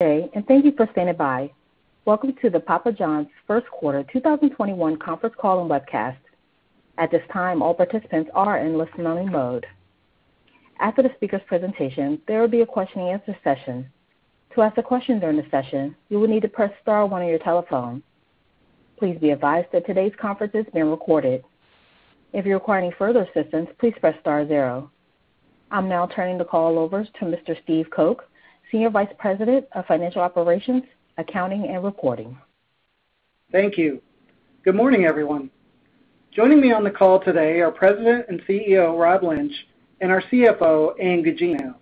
Thank you for standing by. Welcome to the Papa John's Q1 2021 conference call and webcast. I'm now turning the call over to Mr. Steve Coke, Senior Vice President of Financial Operations, Accounting, and Reporting. Thank you. Good morning, everyone. Joining me on the call today are President and CEO, Rob Lynch, and our CFO, Ann Gugino.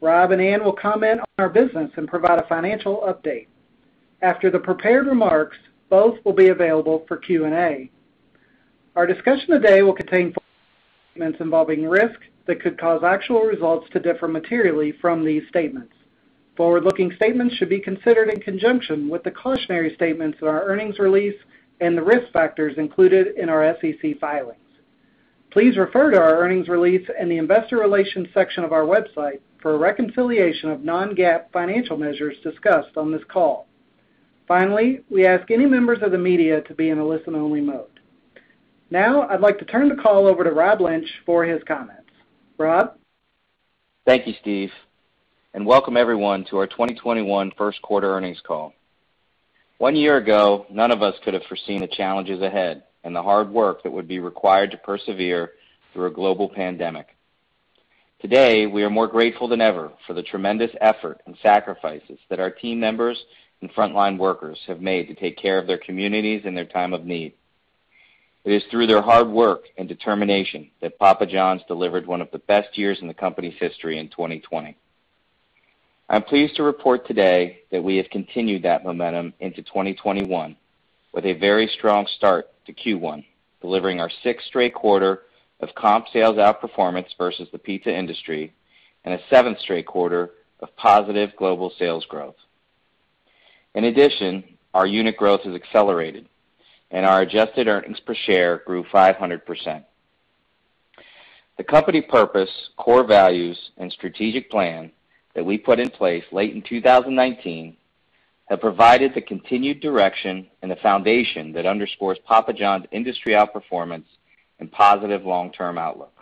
Rob and Ann will comment on our business and provide a financial update. After the prepared remarks, both will be available for Q&A. Our discussion today will contain forward-looking statements involving risks that could cause actual results to differ materially from these statements. Forward-looking statements should be considered in conjunction with the cautionary statements in our earnings release and the risk factors included in our SEC filings. Please refer to our earnings release in the investor relations section of our website for a reconciliation of non-GAAP financial measures discussed on this call. Finally, we ask any members of the media to be in a listen-only mode. Now, I'd like to turn the call over to Rob Lynch for his comments. Rob? Thank you, Steve, and welcome everyone to our 2021 Q1 earnings call. One year ago, none of us could have foreseen the challenges ahead and the hard work that would be required to persevere through a global pandemic. Today, we are more grateful than ever for the tremendous effort and sacrifices that our team members and frontline workers have made to take care of their communities in their time of need. It is through their hard work and determination that Papa John's delivered one of the best years in the company's history in 2020. I'm pleased to report today that we have continued that momentum into 2021 with a very strong start to Q1, delivering our sixth straight quarter of comp sales outperformance versus the pizza industry, and a seventh straight quarter of positive global sales growth. In addition, our unit growth has accelerated, and our adjusted earnings per share grew 500%. The company purpose, core values, and strategic plan that we put in place late in 2019 have provided the continued direction and the foundation that underscores Papa John's industry outperformance and positive long-term outlook.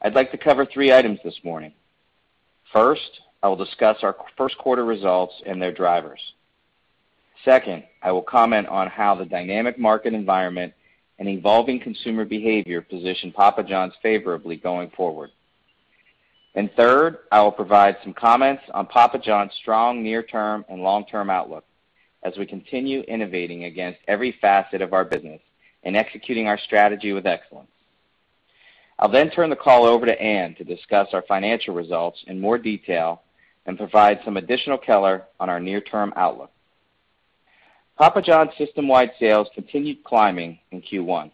I'd like to cover three items this morning. First, I will discuss our Q1 results and their drivers. Second, I will comment on how the dynamic market environment and evolving consumer behavior position Papa John's favorably going forward. Third, I will provide some comments on Papa John's strong near-term and long-term outlook as we continue innovating against every facet of our business and executing our strategy with excellence. I'll then turn the call over to Ann to discuss our financial results in more detail and provide some additional color on our near-term outlook. Papa John's system-wide sales continued climbing in Q1,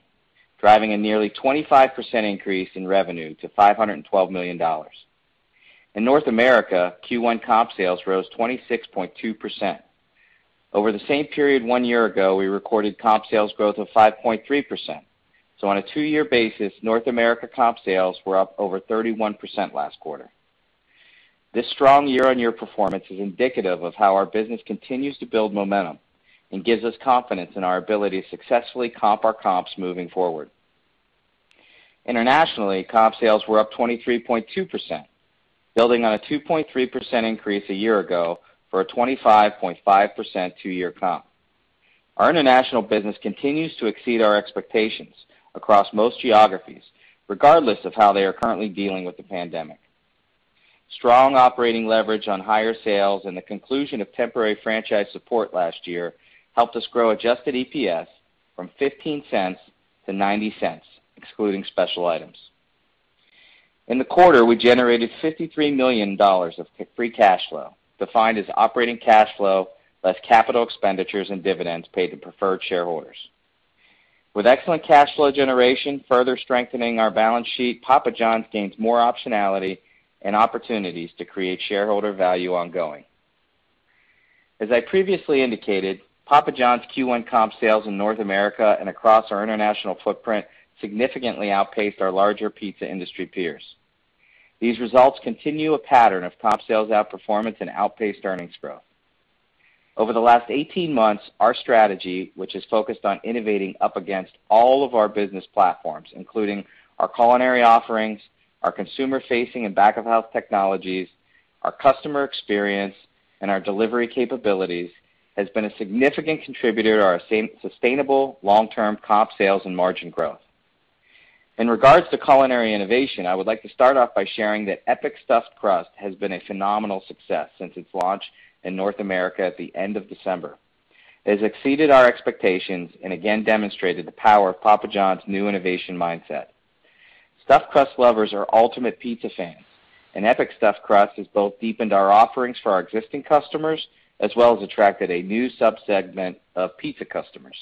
driving a nearly 25% increase in revenue to $512 million. In North America, Q1 comp sales rose 26.2%. Over the same period one year ago, we recorded comp sales growth of 5.3%. On a two-year basis, North America comp sales were up over 31% last quarter. This strong year-on-year performance is indicative of how our business continues to build momentum and gives us confidence in our ability to successfully comp our comps moving forward. Internationally, comp sales were up 23.2%, building on a 2.3% increase a year ago for a 25.5% two-year comp. Our international business continues to exceed our expectations across most geographies, regardless of how they are currently dealing with the pandemic. Strong operating leverage on higher sales and the conclusion of temporary franchise support last year helped us grow adjusted EPS from $0.15-$0.90, excluding special items. In the quarter, we generated $53 million of free cash flow, defined as operating cash flow, less capital expenditures and dividends paid to preferred shareholders. With excellent cash flow generation further strengthening our balance sheet, Papa John's gains more optionality and opportunities to create shareholder value ongoing. As I previously indicated, Papa John's Q1 comp sales in North America and across our international footprint significantly outpaced our larger pizza industry peers. These results continue a pattern of comp sales outperformance and outpaced earnings growth. Over the last 18 months, our strategy, which is focused on innovating up against all of our business platforms, including our culinary offerings, our consumer-facing and back-of-house technologies, our customer experience, and our delivery capabilities, has been a significant contributor to our sustainable long-term comp sales and margin growth. In regards to culinary innovation, I would like to start off by sharing that Epic Stuffed Crust has been a phenomenal success since its launch in North America at the end of December. It has exceeded our expectations and again demonstrated the power of Papa John's new innovation mindset. Stuffed crust lovers are ultimate pizza fans, and Epic Stuffed Crust has both deepened our offerings for our existing customers, as well as attracted a new subsegment of pizza customers.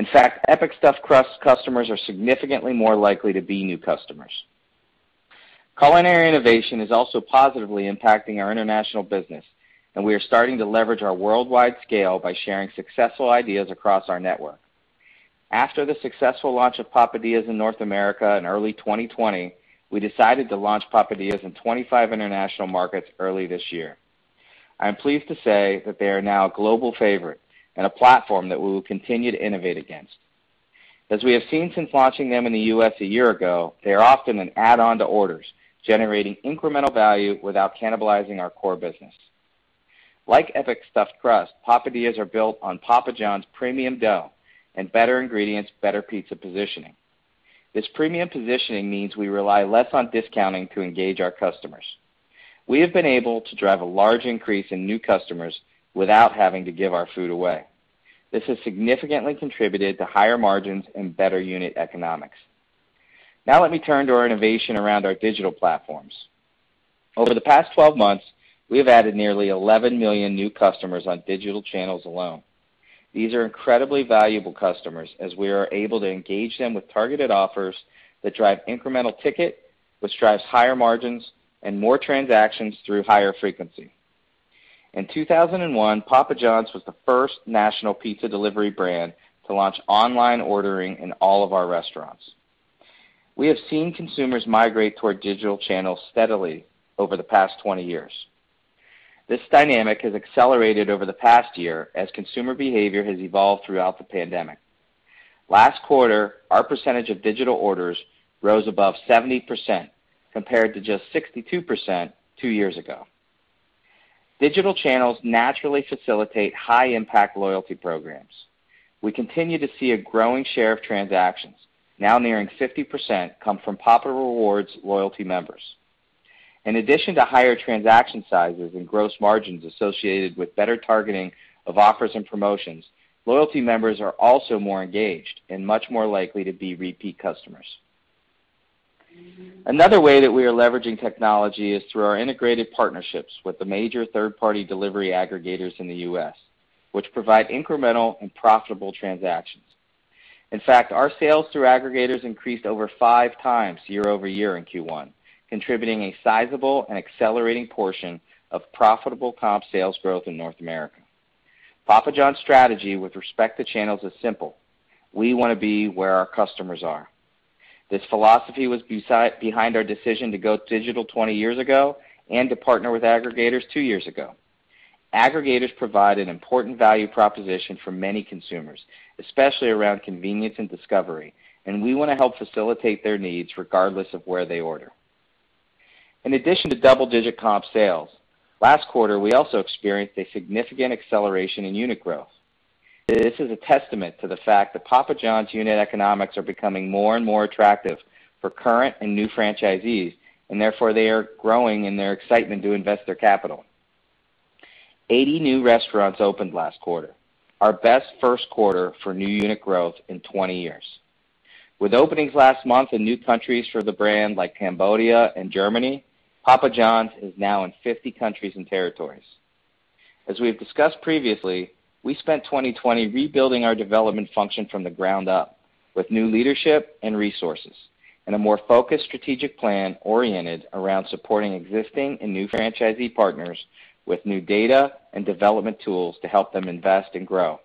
In fact, Epic Stuffed Crust customers are significantly more likely to be new customers. Culinary innovation is also positively impacting our international business, and we are starting to leverage our worldwide scale by sharing successful ideas across our network. After the successful launch of Papadias in North America in early 2020, we decided to launch Papadias in 25 international markets early this year. I am pleased to say that they are now a global favorite and a platform that we will continue to innovate against. As we have seen since launching them in the U.S. a year ago, they are often an add-on to orders, generating incremental value without cannibalizing our core business. Like Epic Stuffed Crust, Papadias are built on Papa John's premium dough and Better Ingredients, Better Pizza positioning. This premium positioning means we rely less on discounting to engage our customers. We have been able to drive a large increase in new customers without having to give our food away. This has significantly contributed to higher margins and better unit economics. Let me turn to our innovation around our digital platforms. Over the past 12 months, we have added nearly 11 million new customers on digital channels alone. These are incredibly valuable customers, as we are able to engage them with targeted offers that drive incremental ticket, which drives higher margins and more transactions through higher frequency. In 2001, Papa John's was the first national pizza delivery brand to launch online ordering in all of our restaurants. We have seen consumers migrate toward digital channels steadily over the past 20 years. This dynamic has accelerated over the past year as consumer behavior has evolved throughout the pandemic. Last quarter, our percentage of digital orders rose above 70%, compared to just 62% two years ago. Digital channels naturally facilitate high-impact loyalty programs. We continue to see a growing share of transactions, now nearing 50%, come from Papa Rewards loyalty members. In addition to higher transaction sizes and gross margins associated with better targeting of offers and promotions, loyalty members are also more engaged and much more likely to be repeat customers. Another way that we are leveraging technology is through our integrated partnerships with the major third-party delivery aggregators in the U.S., which provide incremental and profitable transactions. In fact, our sales through aggregators increased over five times year-over-year in Q1, contributing a sizable and accelerating portion of profitable comp sales growth in North America. Papa John's strategy with respect to channels is simple: We want to be where our customers are. This philosophy was behind our decision to go digital 20 years ago and to partner with aggregators two years ago. Aggregators provide an important value proposition for many consumers, especially around convenience and discovery, and we want to help facilitate their needs regardless of where they order. In addition to double-digit comp sales, last quarter, we also experienced a significant acceleration in unit growth. This is a testament to the fact that Papa John's unit economics are becoming more and more attractive for current and new franchisees, and therefore, they are growing in their excitement to invest their capital. 80 new restaurants opened last quarter, our best Q1 for new unit growth in 20 years. With openings last month in new countries for the brand, like Cambodia and Germany, Papa John's is now in 50 countries and territories. As we have discussed previously, we spent 2020 rebuilding our development function from the ground up with new leadership and resources and a more focused strategic plan oriented around supporting existing and new franchisee partners with new data and development tools to help them invest and grow.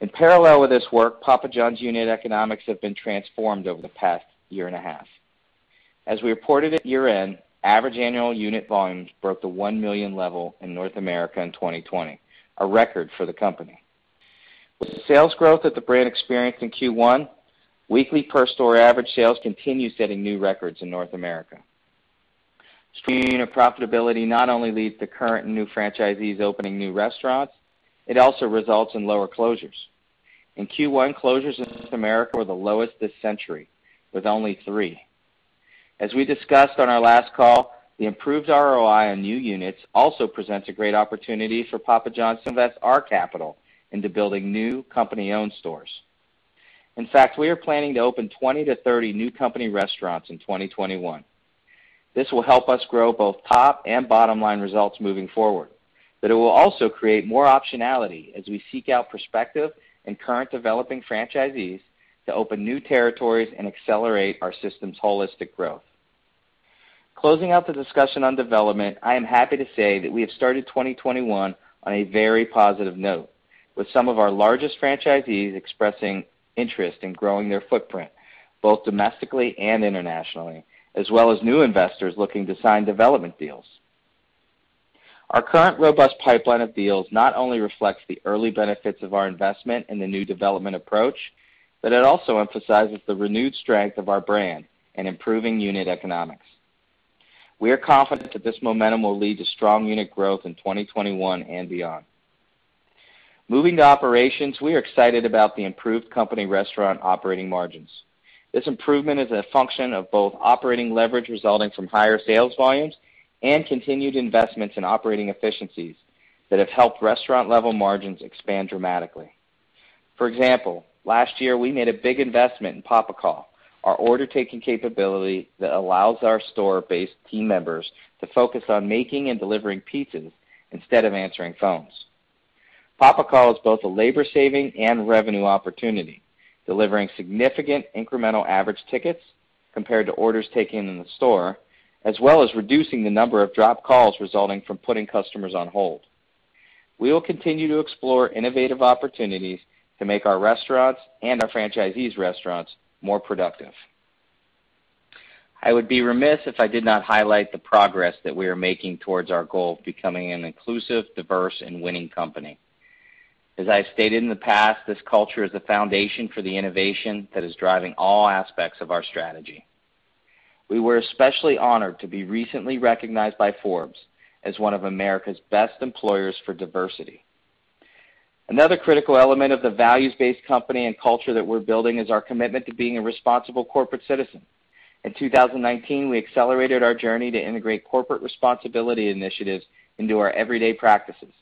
In parallel with this work, Papa John's unit economics have been transformed over the past year and a half. As we reported at year-end, average annual unit volumes broke the one million level in North America in 2020, a record for the company. With the sales growth that the brand experienced in Q1, weekly per store average sales continue setting new records in North America. Streaming unit profitability not only leads to current and new franchisees opening new restaurants, it also results in lower closures. In Q1, closures in North America were the lowest this century, with only three. As we discussed on our last call, the improved ROI on new units also presents a great opportunity for Papa John's to invest our capital into building new company-owned stores. In fact, we are planning to open 20-30 new company restaurants in 2021. This will help us grow both top and bottom-line results moving forward, but it will also create more optionality as we seek out prospective and current developing franchisees to open new territories and accelerate our system's holistic growth. Closing out the discussion on development, I am happy to say that we have started 2021 on a very positive note, with some of our largest franchisees expressing interest in growing their footprint, both domestically and internationally, as well as new investors looking to sign development deals. Our current robust pipeline of deals not only reflects the early benefits of our investment in the new development approach, but it also emphasizes the renewed strength of our brand and improving unit economics. We are confident that this momentum will lead to strong unit growth in 2021 and beyond. Moving to operations, we are excited about the improved company restaurant operating margins. This improvement is a function of both operating leverage resulting from higher sales volumes and continued investments in operating efficiencies that have helped restaurant-level margins expand dramatically. For example, last year, we made a big investment in Papa Call, our order-taking capability that allows our store-based team members to focus on making and delivering pizzas instead of answering phones. Papa Call is both a labor-saving and revenue opportunity, delivering significant incremental average tickets compared to orders taken in the store, as well as reducing the number of dropped calls resulting from putting customers on hold. We will continue to explore innovative opportunities to make our restaurants and our franchisees' restaurants more productive. I would be remiss if I did not highlight the progress that we are making towards our goal of becoming an inclusive, diverse, and winning company. As I've stated in the past, this culture is the foundation for the innovation that is driving all aspects of our strategy. We were especially honored to be recently recognized by Forbes as one of America's best employers for diversity. Another critical element of the values-based company and culture that we're building is our commitment to being a responsible corporate citizen. In 2019, we accelerated our journey to integrate corporate responsibility initiatives into our everyday practices.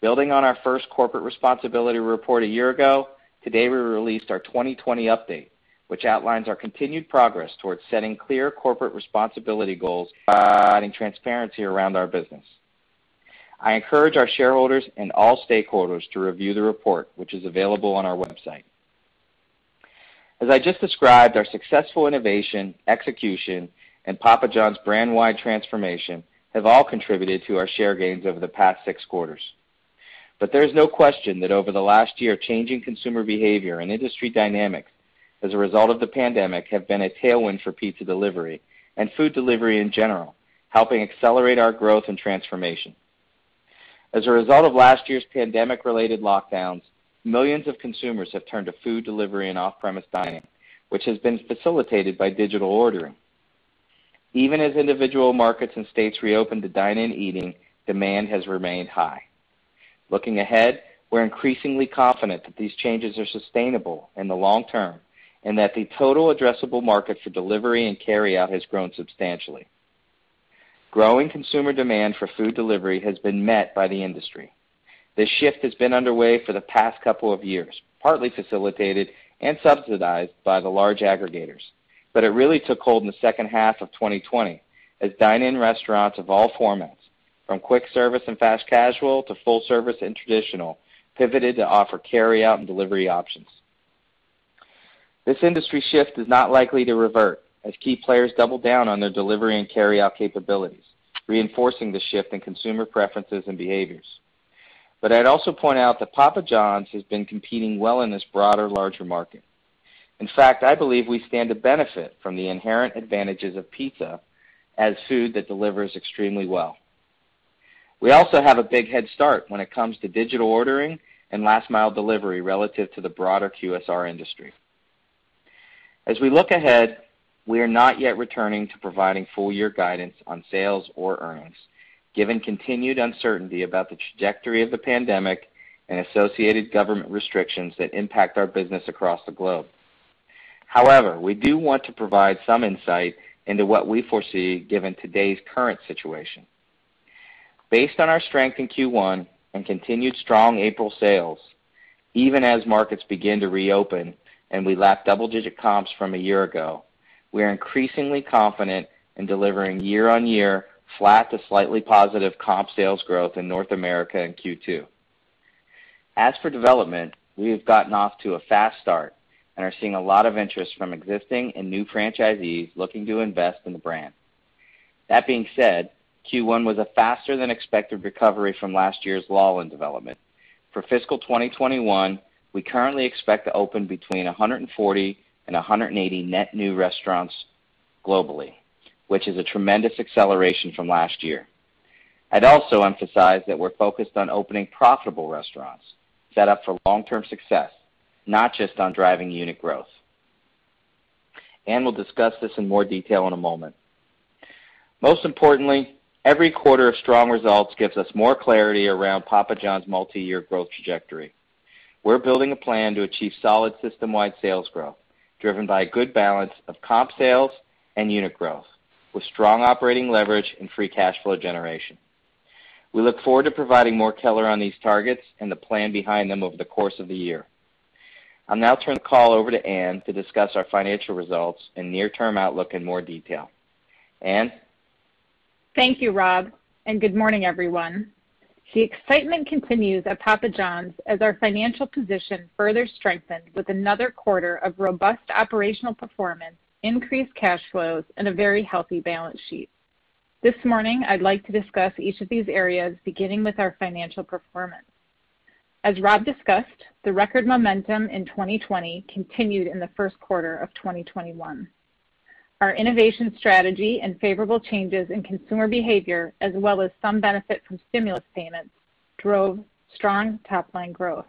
Building on our first corporate responsibility report a year ago, today we released our 2020 update, which outlines our continued progress towards setting clear corporate responsibility goals, and providing transparency around our business. I encourage our shareholders and all stakeholders to review the report, which is available on our website. As I just described, our successful innovation, execution, and Papa John's brand wide transformation have all contributed to our share gains over the past six quarters. There's no question that over the last year, changing consumer behavior and industry dynamics as a result of the pandemic have been a tailwind for pizza delivery and food delivery in general, helping accelerate our growth and transformation. As a result of last year's pandemic-related lockdowns, millions of consumers have turned to food delivery and off-premise dining, which has been facilitated by digital ordering. Even as individual markets and states reopen to dine-in eating, demand has remained high. Looking ahead, we're increasingly confident that these changes are sustainable in the long term, and that the total addressable market for delivery and carry out has grown substantially. Growing consumer demand for food delivery has been met by the industry. This shift has been underway for the past couple of years, partly facilitated and subsidized by the large aggregators, but it really took hold in the H2 of 2020 as dine-in restaurants of all formats, from quick service and fast casual to full service and traditional, pivoted to offer carry out and delivery options. This industry shift is not likely to revert as key players double down on their delivery and carry out capabilities, reinforcing the shift in consumer preferences and behaviors. I'd also point out that Papa John's has been competing well in this broader, larger market. In fact, I believe we stand to benefit from the inherent advantages of pizza as food that delivers extremely well. We also have a big head start when it comes to digital ordering and last mile delivery relative to the broader QSR industry. As we look ahead, we are not yet returning to providing full year guidance on sales or earnings, given continued uncertainty about the trajectory of the pandemic and associated government restrictions that impact our business across the globe. However, we do want to provide some insight into what we foresee given today's current situation. Based on our strength in Q1 and continued strong April sales, even as markets begin to reopen and we lap double-digit comps from a year ago, we are increasingly confident in delivering year-on-year, flat to slightly positive comp sales growth in North America in Q2. As for development, we have gotten off to a fast start and are seeing a lot of interest from existing and new franchisees looking to invest in the brand. That being said, Q1 was a faster than expected recovery from last year's lull in development. For fiscal 2021, we currently expect to open between 140 and 180 net new restaurants globally, which is a tremendous acceleration from last year. I'd also emphasize that we're focused on opening profitable restaurants set up for long-term success, not just on driving unit growth. Ann will discuss this in more detail in a moment. Most importantly, every quarter of strong results gives us more clarity around Papa John's multi-year growth trajectory. We're building a plan to achieve solid system-wide sales growth, driven by a good balance of comp sales and unit growth, with strong operating leverage and free cash flow generation. We look forward to providing more color on these targets and the plan behind them over the course of the year. I'll now turn the call over to Ann to discuss our financial results and near-term outlook in more detail. Ann? Thank you, Rob, and good morning, everyone. The excitement continues at Papa John's as our financial position further strengthens with another quarter of robust operational performance, increased cash flows, and a very healthy balance sheet. This morning, I'd like to discuss each of these areas, beginning with our financial performance. As Rob discussed, the record momentum in 2020 continued in the Q1 of 2021. Our innovation strategy and favorable changes in consumer behavior, as well as some benefit from stimulus payments, drove strong top-line growth.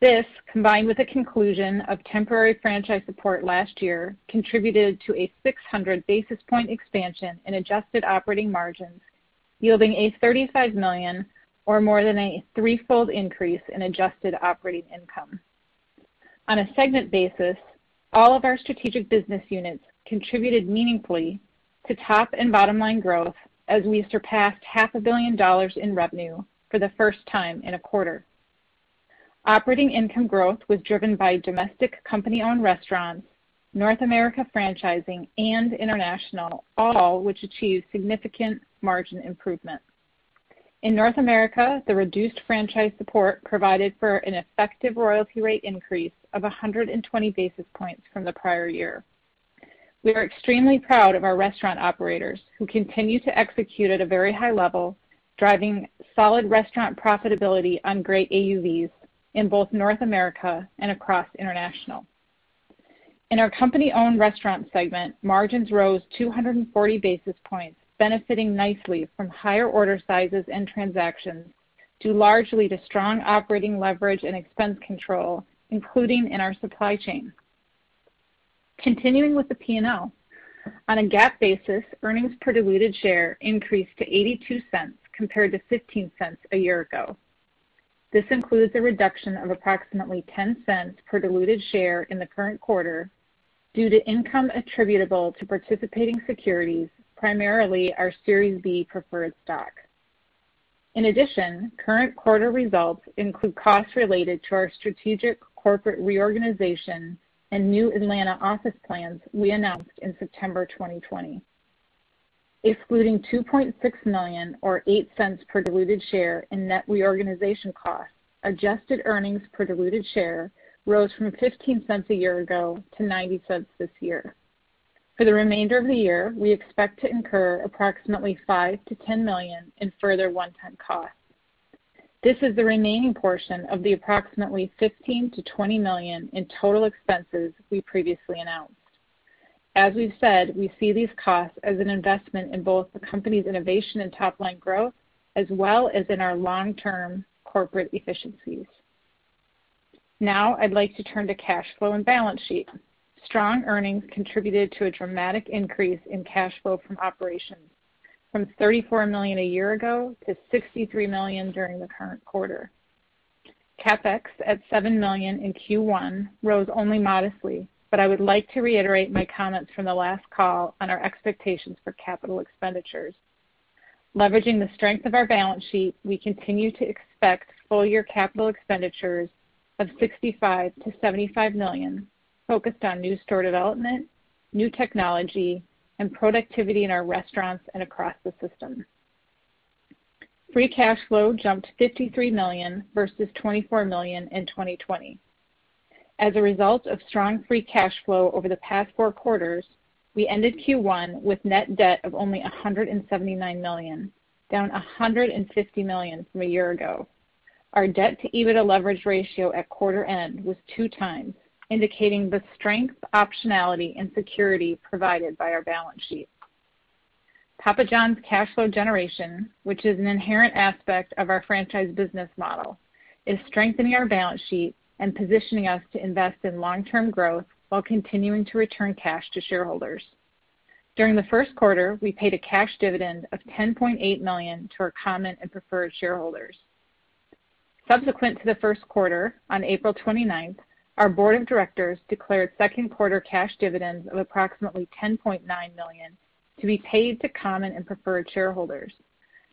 This, combined with the conclusion of temporary franchise support last year, contributed to a 600 basis point expansion in adjusted operating margins, yielding a $35 million, or more than a threefold increase in adjusted operating income. On a segment basis, all of our strategic business units contributed meaningfully to top and bottom line growth as we surpassed half a billion dollars in revenue for the first time in a quarter. Operating income growth was driven by domestic company-owned restaurants, North America franchising, and international, all which achieved significant margin improvements. In North America, the reduced franchise support provided for an effective royalty rate increase of 120 basis points from the prior year. We are extremely proud of our restaurant operators who continue to execute at a very high level, driving solid restaurant profitability on great AUVs in both North America and across international. In our company-owned restaurant segment, margins rose 240 basis points, benefiting nicely from higher order sizes and transactions, due largely to strong operating leverage and expense control, including in our supply chain. Continuing with the P&L, on a GAAP basis, earnings per diluted share increased to $0.82 compared to $0.15 a year ago. This includes a reduction of approximately $0.10 per diluted share in the current quarter due to income attributable to participating securities, primarily our Series B preferred stock. In addition, current quarter results include costs related to our strategic corporate reorganization and new Atlanta office plans we announced in September 2020. Excluding $2.6 million or $0.08 per diluted share in net reorganization costs, adjusted earnings per diluted share rose from $0.15 a year ago to $0.90 this year. For the remainder of the year, we expect to incur approximately $5 million-$10 million in further one-time costs. This is the remaining portion of the approximately $15 million-$20 million in total expenses we previously announced. As we've said, we see these costs as an investment in both the company's innovation and top-line growth, as well as in our long-term corporate efficiencies. I'd like to turn to cash flow and balance sheet. Strong earnings contributed to a dramatic increase in cash flow from operations, from $34 million a year ago to $63 million during the current quarter. CapEx, at $7 million in Q1, rose only modestly. I would like to reiterate my comments from the last call on our expectations for capital expenditures. Leveraging the strength of our balance sheet, we continue to expect full-year capital expenditures of $65 million-$75 million, focused on new store development, new technology, and productivity in our restaurants and across the system. Free cash flow jumped $53 million versus $24 million in 2020. As a result of strong free cash flow over the past four quarters, we ended Q1 with net debt of only $179 million, down $150 million from a year ago. Our debt to EBITDA leverage ratio at quarter end was two times, indicating the strength, optionality, and security provided by our balance sheet. Papa John's cash flow generation, which is an inherent aspect of our franchise business model, is strengthening our balance sheet and positioning us to invest in long-term growth while continuing to return cash to shareholders. During the Q1, we paid a cash dividend of $10.8 million to our common and preferred shareholders. Subsequent to the Q1, on April 29th, our board of directors declared Q2 cash dividends of approximately $10.9 million to be paid to common and preferred shareholders.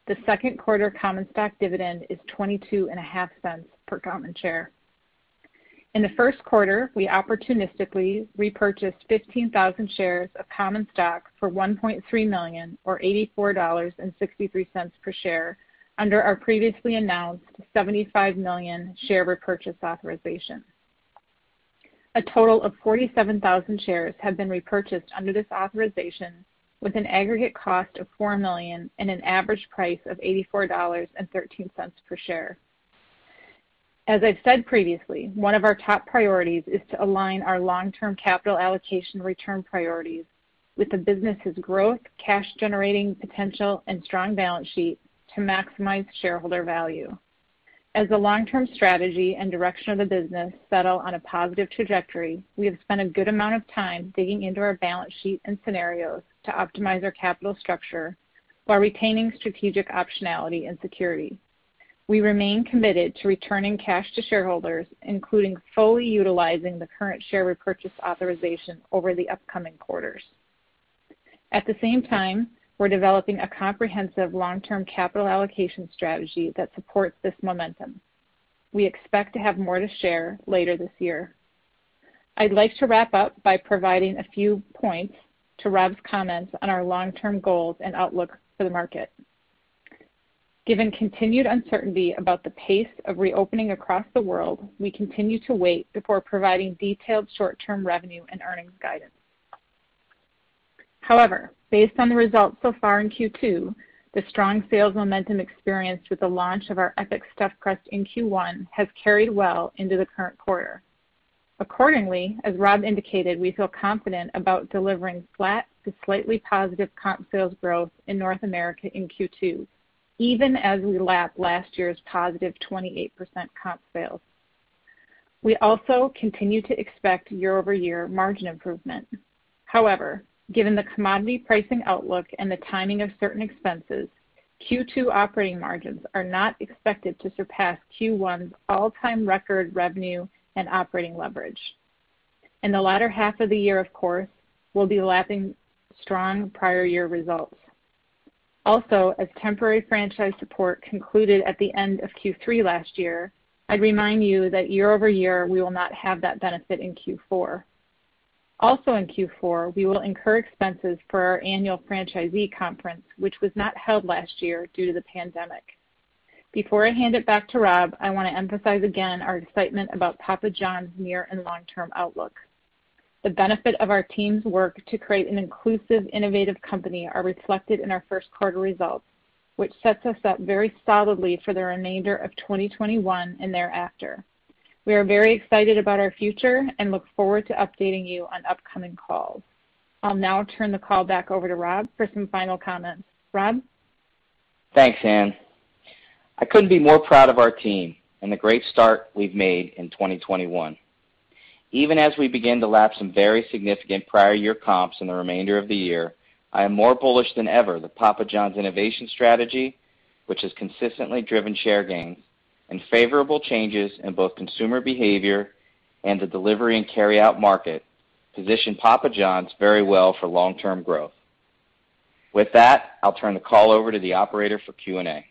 The Q2 common stock dividend is $0.225 per common share. In the Q1, we opportunistically repurchased 15,000 shares of common stock for $1.3 million, or $84.63 per share, under our previously announced $75 million share repurchase authorization. A total of 47,000 shares have been repurchased under this authorization with an aggregate cost of $4 million and an average price of $84.13 per share. As I've said previously, one of our top priorities is to align our long-term capital allocation return priorities with the business's growth, cash-generating potential, and strong balance sheet to maximize shareholder value. As the long-term strategy and direction of the business settle on a positive trajectory, we have spent a good amount of time digging into our balance sheet and scenarios to optimize our capital structure while retaining strategic optionality and security. We remain committed to returning cash to shareholders, including fully utilizing the current share repurchase authorization over the upcoming quarters. At the same time, we're developing a comprehensive long-term capital allocation strategy that supports this momentum. We expect to have more to share later this year. I'd like to wrap up by providing a few points to Rob's comments on our long-term goals and outlook for the market. Given continued uncertainty about the pace of reopening across the world, we continue to wait before providing detailed short-term revenue and earnings guidance. However, based on the results so far in Q2, the strong sales momentum experienced with the launch of our Epic Stuffed Crust in Q1 has carried well into the current quarter. Accordingly, as Rob indicated, we feel confident about delivering flat to slightly positive comp sales growth in North America in Q2, even as we lap last year's positive 28% comp sales. We also continue to expect year-over-year margin improvement. Given the commodity pricing outlook and the timing of certain expenses, Q2 operating margins are not expected to surpass Q1's all-time record revenue and operating leverage. In the latter half of the year, of course, we'll be lapping strong prior year results. As temporary franchise support concluded at the end of Q3 last year, I'd remind you that year-over-year, we will not have that benefit in Q4. In Q4, we will incur expenses for our annual franchisee conference, which was not held last year due to the pandemic. Before I hand it back to Rob, I want to emphasize again our excitement about Papa John's near and long-term outlook. The benefit of our team's work to create an inclusive, innovative company are reflected in our Q1 results, which sets us up very solidly for the remainder of 2021 and thereafter. We are very excited about our future and look forward to updating you on upcoming calls. I'll now turn the call back over to Rob for some final comments. Rob? Thanks, Ann. I couldn't be more proud of our team and the great start we've made in 2021. Even as we begin to lap some very significant prior year comps in the remainder of the year, I am more bullish than ever that Papa John's innovation strategy, which has consistently driven share gains, and favorable changes in both consumer behavior and the delivery and carry-out market, position Papa John's very well for long-term growth. With that, I'll turn the call over to the operator for Q&A.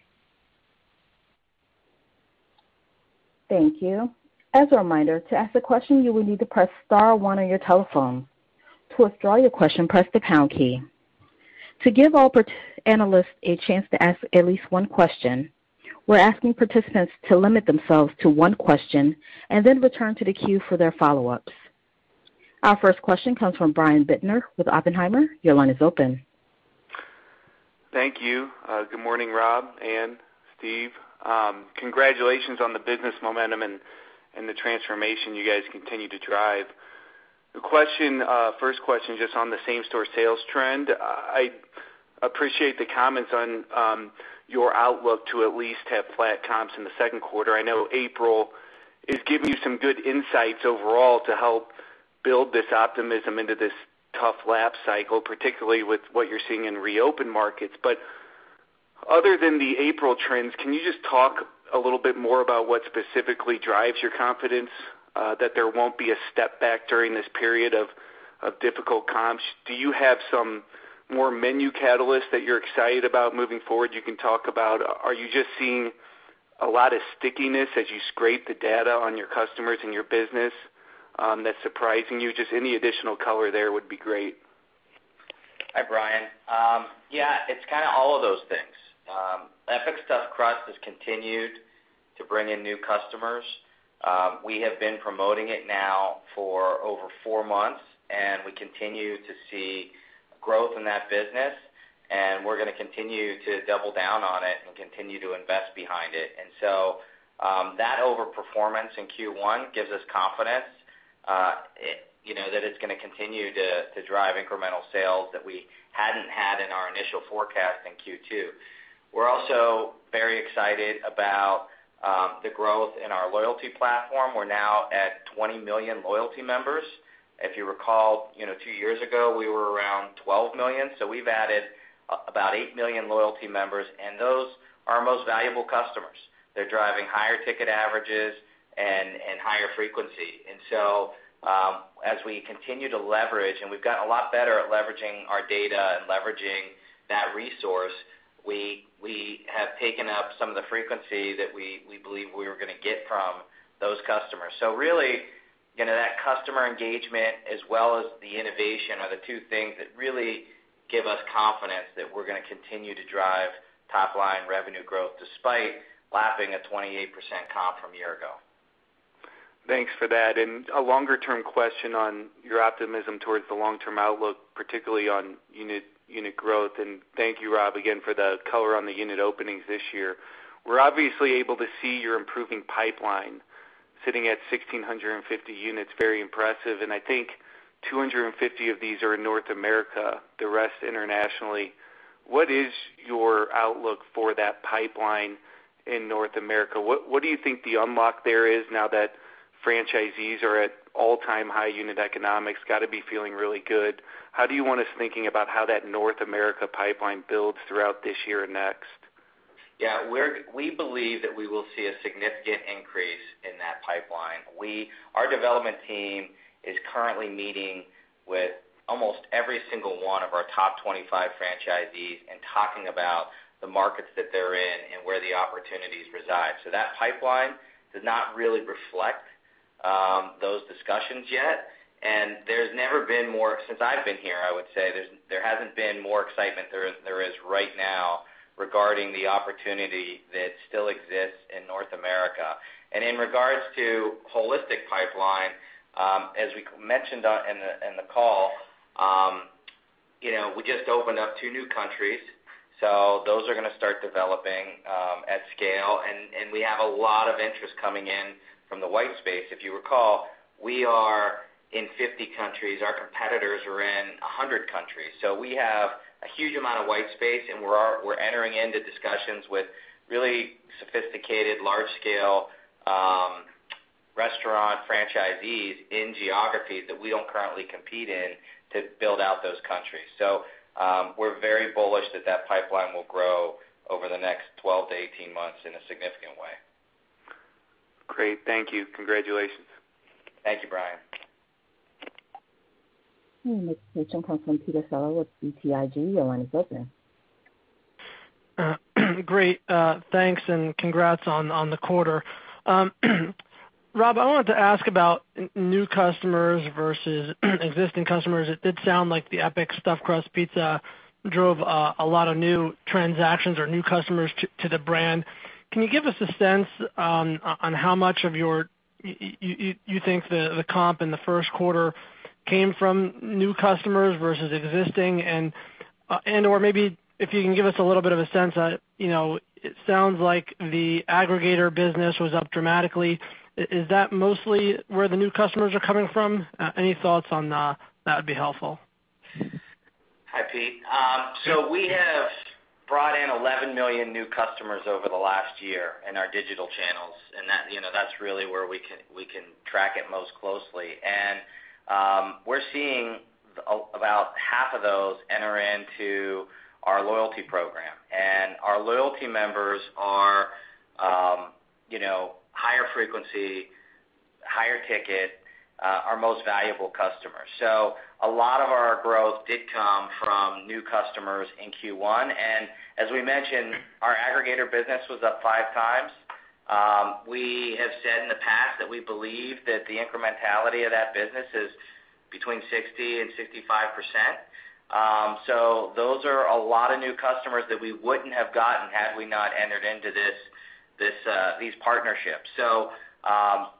Thank you. As a reminder, to ask a question, you will need to press star one on your telephone. To withdraw your question, press the pound key. To give all analysts a chance to ask at least one question, we're asking participants to limit themselves to one question and then return to the queue for their follow-ups. Our first question comes from Brian Bittner with Oppenheimer. Your line is open. Thank you. Good morning, Rob, Ann, Steve. Congratulations on the business momentum and the transformation you guys continue to drive. The first question, just on the same-store sales trend. I appreciate the comments on your outlook to at least have flat comps in the Q2. I know April is giving you some good insights overall to help build this optimism into this tough lap cycle, particularly with what you're seeing in reopened markets. Other than the April trends, can you just talk a little bit more about what specifically drives your confidence that there won't be a step back during this period of difficult comps? Do you have some more menu catalysts that you're excited about moving forward you can talk about? Are you just seeing a lot of stickiness as you scrape the data on your customers and your business that's surprising you? Just any additional color there would be great. Hi, Brian. Yeah, it's kind of all of those things. Epic Stuffed Crust has continued to bring in new customers. We have been promoting it now for over four months, we continue to see growth in that business, we're going to continue to double down on it and continue to invest behind it. That overperformance in Q1 gives us confidence that it's going to continue to drive incremental sales that we hadn't had in our initial forecast in Q2. We're also very excited about the growth in our loyalty platform. We're now at 20 million loyalty members. If you recall, two years ago, we were around 12 million, we've added about eight million loyalty members, those are our most valuable customers. They're driving higher ticket averages and higher frequency. As we continue to leverage, and we've got a lot better at leveraging our data and leveraging that resource, we have taken up some of the frequency that we believe we were going to get from those customers. Really, that customer engagement as well as the innovation are the two things that really give us confidence that we're going to continue to drive top-line revenue growth despite lapping a 28% comp from a year ago. Thanks for that. A longer-term question on your optimism towards the long-term outlook, particularly on unit growth. Thank you, Rob, again for the color on the unit openings this year. We're obviously able to see your improving pipeline sitting at 1,650 units, very impressive. I think 250 of these are in North America, the rest internationally. What is your outlook for that pipeline in North America? What do you think the unlock there is now that franchisees are at all-time high unit economics? Got to be feeling really good. How do you want us thinking about how that North America pipeline builds throughout this year and next? Yeah, we believe that we will see a significant increase in that pipeline. Our development team is currently meeting with almost every single one of our top 25 franchisees and talking about the markets that they're in and where the opportunities reside. That pipeline does not really reflect those discussions yet. There's never been more, since I've been here, I would say, there hasn't been more excitement there is right now regarding the opportunity that still exists in North America. In regards to holistic pipeline, as we mentioned in the call, we just opened up two new countries, those are going to start developing at scale. We have a lot of interest coming in from the white space. If you recall, we are in 50 countries. Our competitors are in 100 countries. We have a huge amount of white space. We're entering into discussions with really sophisticated, large-scale restaurant franchisees in geographies that we don't currently compete in to build out those countries. We're very bullish that that pipeline will grow over the next 12-18 months in a significant way. Great. Thank you. Congratulations. Thank you, Brian. The next question comes from Peter Saleh with BTIG. Your line is open. Great. Thanks, and congrats on the quarter. Rob, I wanted to ask about new customers versus existing customers. It did sound like the Epic Stuffed Crust pizza drove a lot of new transactions or new customers to the brand. Can you give us a sense on how much you think the comp in the Q1 came from new customers versus existing and/or maybe if you can give us a little bit of a sense. It sounds like the aggregator business was up dramatically. Is that mostly where the new customers are coming from? Any thoughts on that would be helpful. Hi, Peter. We have brought in 11 million new customers over the last year in our digital channels, that's really where we can track it most closely. We're seeing about half of those enter into our loyalty program. Our loyalty members are higher frequency, higher ticket, our most valuable customers. A lot of our growth did come from new customers in Q1. As we mentioned, our aggregator business was up five times. We have said in the past that we believe that the incrementality of that business is between 60% and 65%. Those are a lot of new customers that we wouldn't have gotten had we not entered into these partnerships. Our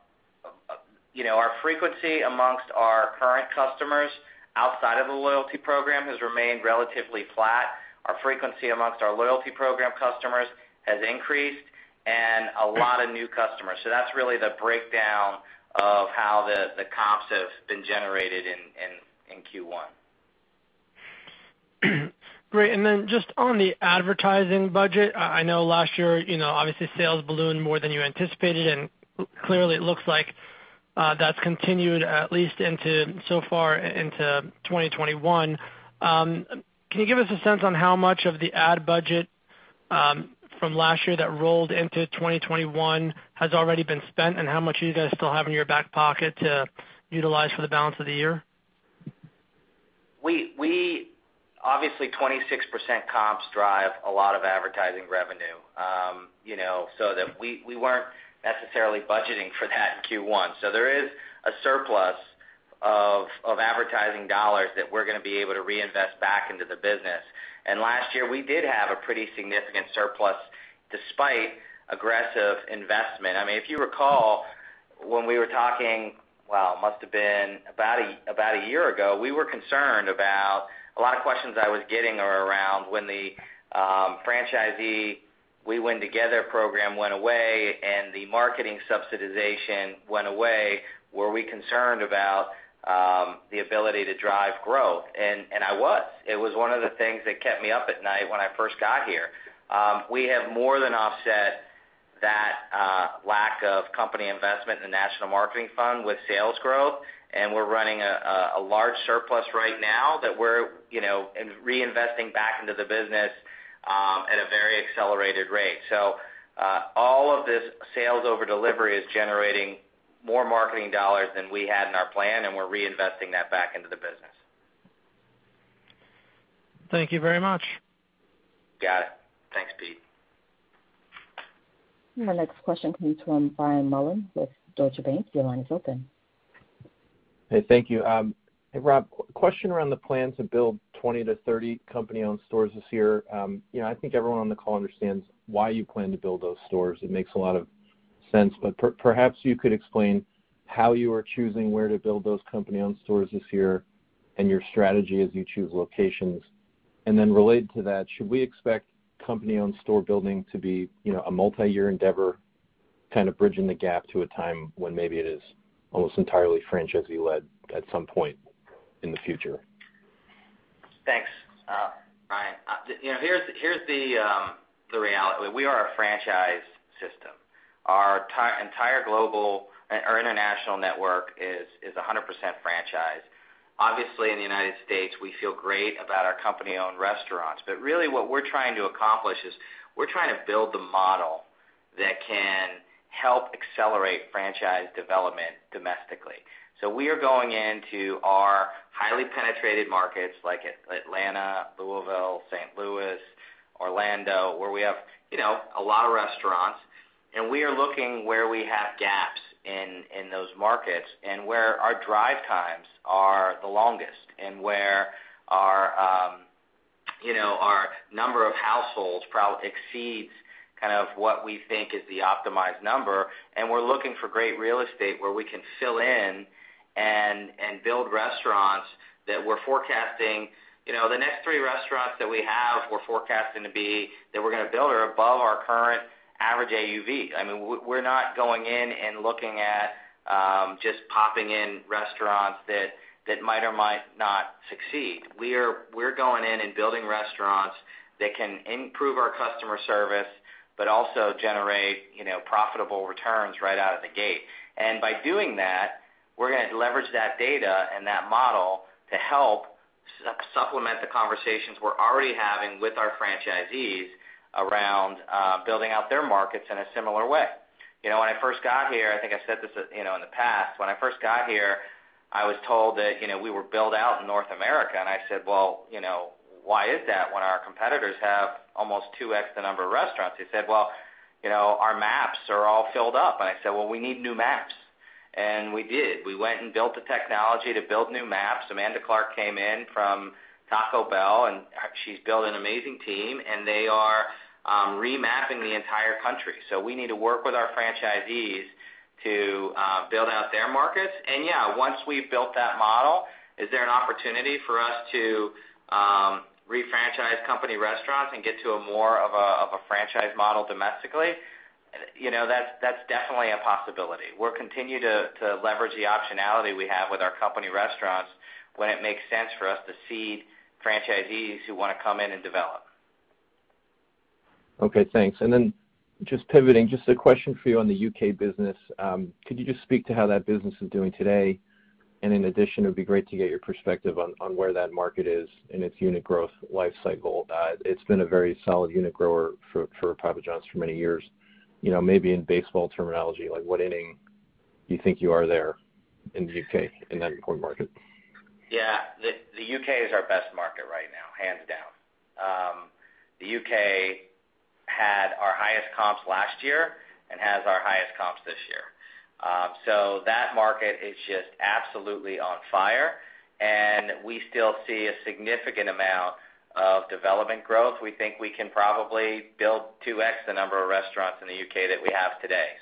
frequency amongst our current customers outside of the loyalty program has remained relatively flat. Our frequency amongst our loyalty program customers has increased and a lot of new customers. That's really the breakdown of how the comps have been generated in Q1. Great. Just on the advertising budget, I know last year, obviously sales ballooned more than you anticipated, and clearly it looks like that's continued at least into so far into 2021. Can you give us a sense on how much of the ad budget from last year that rolled into 2021 has already been spent, and how much are you guys still have in your back pocket to utilize for the balance of the year? Obviously, 26% comps drive a lot of advertising revenue that we weren't necessarily budgeting for that in Q1. There is a surplus of advertising dollars that we're going to be able to reinvest back into the business. Last year, we did have a pretty significant surplus despite aggressive investment. If you recall, when we were talking, well, it must have been about one year ago, we were concerned about a lot of questions I was getting around when the franchisee We Win Together program went away, and the marketing subsidization went away. Were we concerned about the ability to drive growth? I was. It was one of the things that kept me up at night when I first got here. We have more than offset that lack of company investment in the national marketing fund with sales growth, and we're running a large surplus right now that we're reinvesting back into the business at a very accelerated rate. All of this sales over delivery is generating more marketing dollars than we had in our plan, and we're reinvesting that back into the business. Thank you very much. Got it. Thanks, Peter. Our next question comes from Brian Mullan with Deutsche Bank. Your line is open. Hey, thank you. Hey, Rob, question around the plan to build 20 to 30 company-owned stores this year. I think everyone on the call understands why you plan to build those stores. It makes a lot of sense. Perhaps you could explain how you are choosing where to build those company-owned stores this year and your strategy as you choose locations. Related to that, should we expect company-owned store building to be a multi-year endeavor, kind of bridging the gap to a time when maybe it is almost entirely franchisee-led at some point in the future? Thanks, Brian. Here's the reality. We are a franchise system. Our entire global or international network is 100% franchise. Obviously, in the United States, we feel great about our company-owned restaurants. Really what we're trying to accomplish is we're trying to build the model that can help accelerate franchise development domestically. We are going into our highly penetrated markets like Atlanta, Louisville, St. Louis, Orlando, where we have a lot of restaurants, and we are looking where we have gaps in those markets and where our drive times are the longest and where our number of households exceeds what we think is the optimized number. We're looking for great real estate where we can fill in and build restaurants that we're forecasting. The next three restaurants that we have, we're forecasting to be that we're going to build are above our current average AUV. We're not going in and looking at just popping in restaurants that might or might not succeed. We're going in and building restaurants that can improve our customer service, but also generate profitable returns right out of the gate. By doing that, we're going to leverage that data and that model to help supplement the conversations we're already having with our franchisees around building out their markets in a similar way. When I first got here, I think I said this in the past, when I first got here, I was told that we were built out in North America. I said, "Well, why is that when our competitors have almost 2x the number of restaurants?" They said, "Well, our maps are all filled up." I said, "Well, we need new maps." We did. We went and built the technology to build new maps. Amanda Clark came in from Taco Bell, and she's built an amazing team, and they are remapping the entire country. We need to work with our franchisees to build out their markets. Once we've built that model, is there an opportunity for us to re-franchise company restaurants and get to a more of a franchise model domestically? That's definitely a possibility. We'll continue to leverage the optionality we have with our company restaurants when it makes sense for us to seed franchisees who want to come in and develop. Okay, thanks. Just pivoting, just a question for you on the U.K. business. Could you just speak to how that business is doing today? In addition, it would be great to get your perspective on where that market is in its unit growth life cycle. It's been a very solid unit grower for Papa John's for many years. Maybe in baseball terminology, like what inning you think you are there in the U.K. in that important market? The U.K. is our best market right now, hands down. The U.K. had our highest comps last year and has our highest comps this year. That market is just absolutely on fire, and we still see a significant amount of development growth. We think we can probably build 2x the number of restaurants in the U.K. that we have today.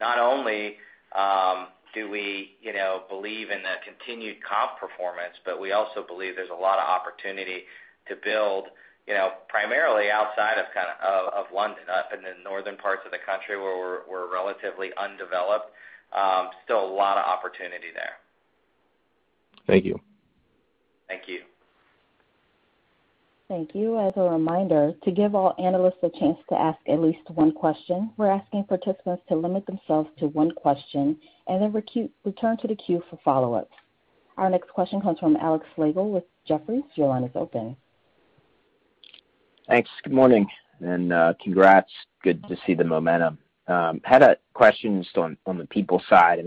Not only do we believe in the continued comp performance, but we also believe there's a lot of opportunity to build primarily outside of London, up in the northern parts of the country where we're relatively undeveloped. Still a lot of opportunity there. Thank you. Thank you. Thank you. As a reminder, to give all analysts a chance to ask at least one question, we're asking participants to limit themselves to one question and then return to the queue for follow-ups. Our next question comes from Alex Slagle with Jefferies. Your line is open. Thanks. Good morning, and congrats. Good to see the momentum. Had a question just on the people side.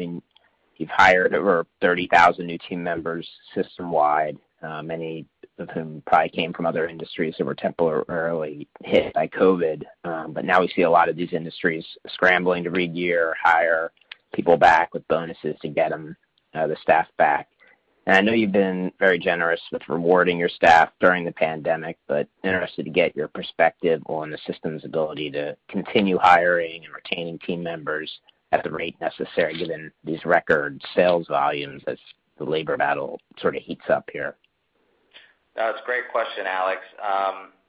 You've hired over 30,000 new team members system-wide, many of whom probably came from other industries that were temporarily hit by COVID. Now we see a lot of these industries scrambling to regear or hire people back with bonuses to get the staff back. I know you've been very generous with rewarding your staff during the pandemic, but interested to get your perspective on the system's ability to continue hiring and retaining team members at the rate necessary given these record sales volumes as the labor battle sort of heats up here. That's a great question, Alex.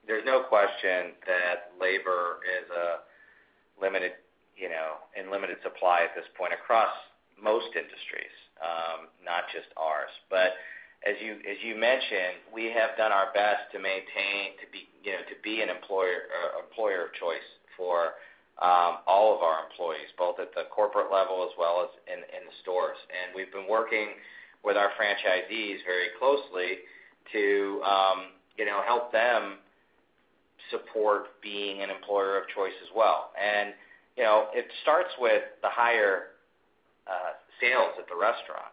There's no question that labor is in limited supply at this point across most industries, not just ours. As you mentioned, we have done our best to maintain to be an employer of choice for all of our employees, both at the corporate level as well as in the stores. We've been working with our franchisees very closely to help them support being an employer of choice as well. It starts with the higher sales at the restaurant.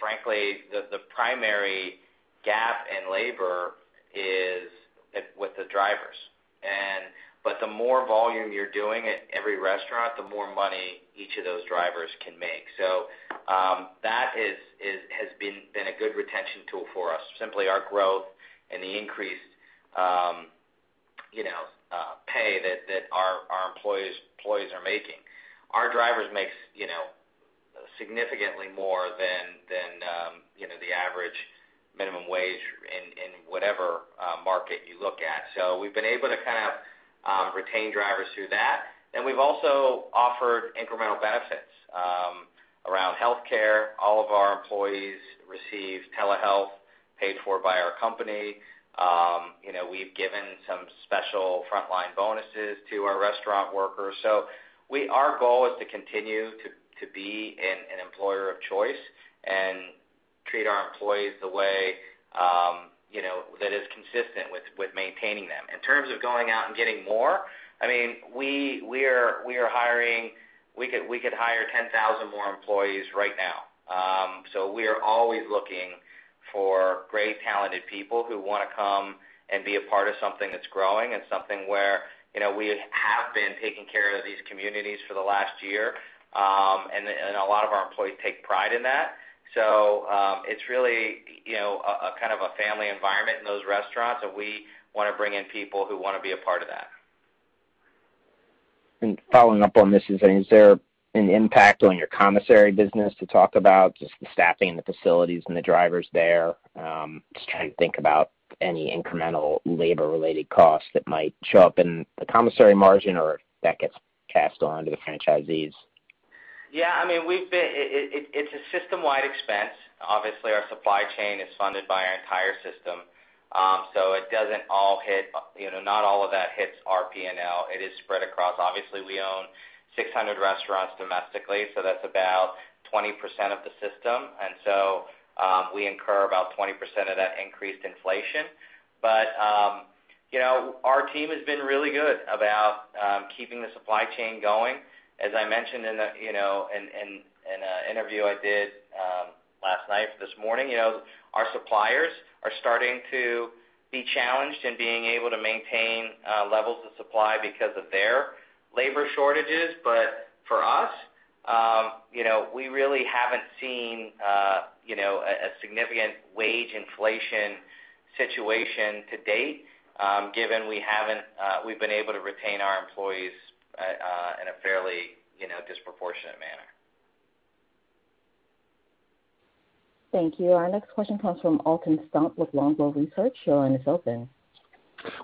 Frankly, the primary gap in labor is with the drivers. The more volume you're doing at every restaurant, the more money each of those drivers can make. That has been a good retention tool for us. Simply our growth and the increased pay that our employees are making. Our drivers make significantly more than the average minimum wage in whatever market you look at. We've been able to kind of retain drivers through that. We've also offered incremental benefits around healthcare. All of our employees receive telehealth paid for by our company. We've given some special frontline bonuses to our restaurant workers. Our goal is to continue to be an employer of choice and treat our employees the way that is consistent with maintaining them. In terms of going out and getting more, we could hire 10,000 more employees right now. We are always looking for great talented people who want to come and be a part of something that's growing and something where we have been taking care of these communities for the last year. A lot of our employees take pride in that. It's really a kind of a family environment in those restaurants, and we want to bring in people who want to be a part of that. Following up on this, is there an impact on your commissary business to talk about, just the staffing and the facilities and the drivers there? Just trying to think about any incremental labor related costs that might show up in the commissary margin or if that gets cast on to the franchisees. Yeah, it's a system-wide expense. Obviously, our supply chain is funded by our entire system. Not all of that hits our P&L. It is spread across. Obviously, we own 600 restaurants domestically, that's about 20% of the system, we incur about 20% of that increased inflation. Our team has been really good about keeping the supply chain going. As I mentioned in an interview I did last night or this morning, our suppliers are starting to be challenged in being able to maintain levels of supply because of their labor shortages. For us, we really haven't seen a significant wage inflation situation to date, given we've been able to retain our employees in a fairly disproportionate manner. Thank you. Our next question comes from Alton Stump with Longbow Research. Your line is open.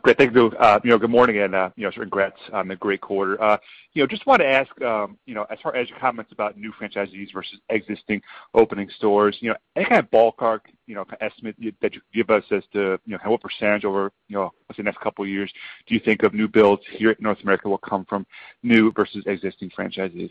Great. Thank you. Good morning, and congrats on the great quarter. Just want to ask, as far as your comments about new franchisees versus existing opening stores, any kind of ballpark estimate that you could give us as to what percentage over the next couple of years do you think of new builds here at North America will come from new versus existing franchisees?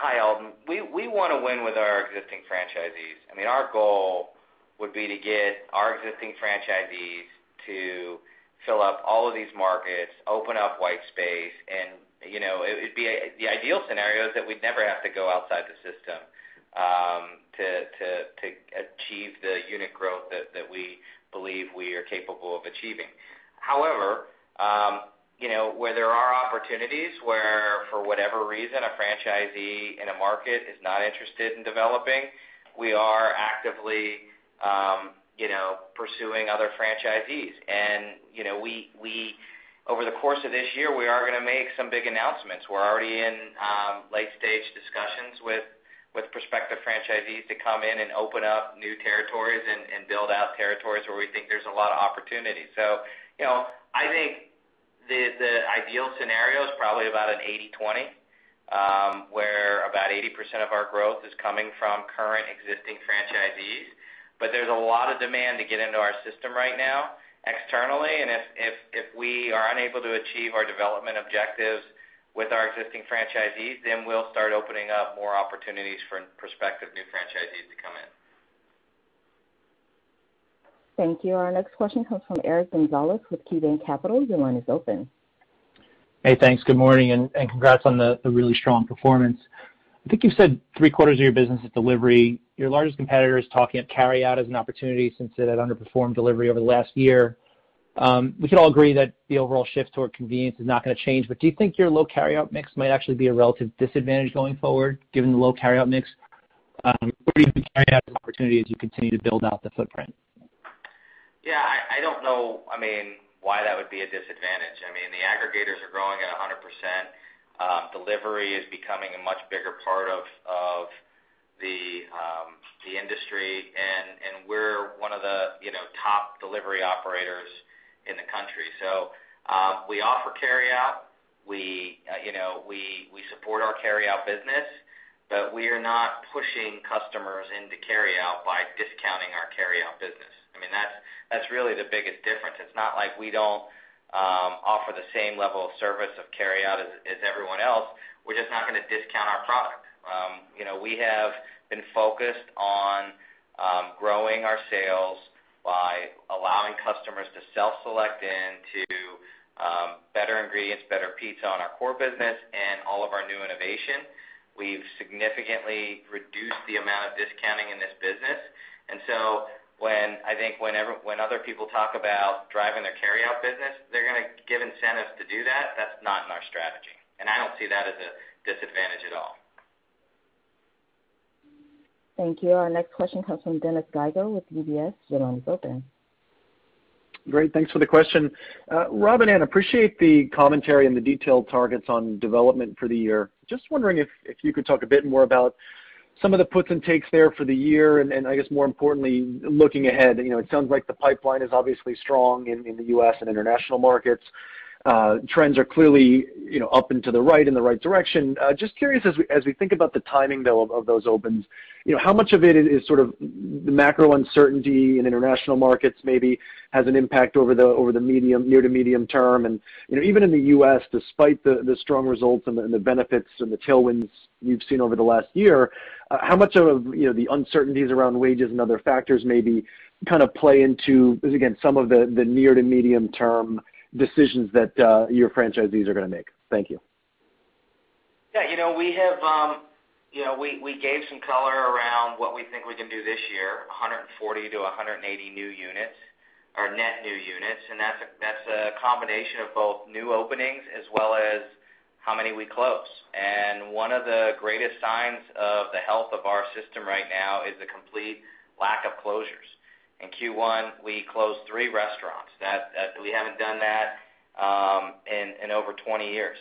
Hi, Alton. We want to win with our existing franchisees. Our goal would be to get our existing franchisees to fill up all of these markets, open up white space. The ideal scenario is that we'd never have to go outside the system to achieve the unit growth that we believe we are capable of achieving. However, where there are opportunities where, for whatever reason, a franchisee in a market is not interested in developing, we are actively pursuing other franchisees. Over the course of this year, we are going to make some big announcements. We're already in late-stage discussions with prospective franchisees to come in and open up new territories and build out territories where we think there's a lot of opportunity. I think the ideal scenario is probably about an 80/20, where about 80% of our growth is coming from current existing franchisees. There's a lot of demand to get into our system right now externally, and if we are unable to achieve our development objectives with our existing franchisees, then we'll start opening up more opportunities for prospective new franchisees to come in. Thank you. Our next question comes from Eric Gonzalez with KeyBanc Capital. Your line is open. Hey, thanks. Good morning. Congrats on the really strong performance. I think you said three-quarters of your business is delivery. Your largest competitor is talking up carryout as an opportunity since it had underperformed delivery over the last year. We can all agree that the overall shift toward convenience is not going to change. Do you think your low carryout mix might actually be a relative disadvantage going forward, given the low carryout mix? Do you see carryout as an opportunity as you continue to build out the footprint? I don't know why that would be a disadvantage. The aggregators are growing at 100%. Delivery is becoming a much bigger part of the industry, and we're one of the top delivery operators in the country. We offer carryout. We support our carryout business, but we are not pushing customers into carryout by discounting our carryout business. That's really the biggest difference. It's not like we don't offer the same level of service of carryout as everyone else. We're just not going to discount our product. We have been focused on growing our sales by allowing customers to self-select into better ingredients, better pizza on our core business, and all of our new innovation. We've significantly reduced the amount of discounting in this business. I think when other people talk about driving their carryout business, they're going to give incentives to do that. That's not in our strategy. I don't see that as a disadvantage at all. Thank you. Our next question comes from Dennis Geiger with UBS. Great. Thanks for the question. Rob and Ann, appreciate the commentary and the detailed targets on development for the year. Just wondering if you could talk a bit more about some of the puts and takes there for the year, and I guess more importantly, looking ahead. It sounds like the pipeline is obviously strong in the U.S. and international markets. Trends are clearly up and to the right, in the right direction. Just curious, as we think about the timing, though, of those opens, how much of it is sort of the macro uncertainty in international markets maybe has an impact over the near to medium term? Even in the U.S., despite the strong results and the benefits and the tailwinds you've seen over the last year, how much of the uncertainties around wages and other factors maybe kind of play into, again, some of the near to medium-term decisions that your franchisees are going to make? Thank you. We gave some color around what we think we can do this year, 140-180 new units or net new units, and that's a combination of both new openings as well as how many we close. One of the greatest signs of the health of our system right now is the complete lack of closures. In Q1, we closed three restaurants. We haven't done that in over 20 years.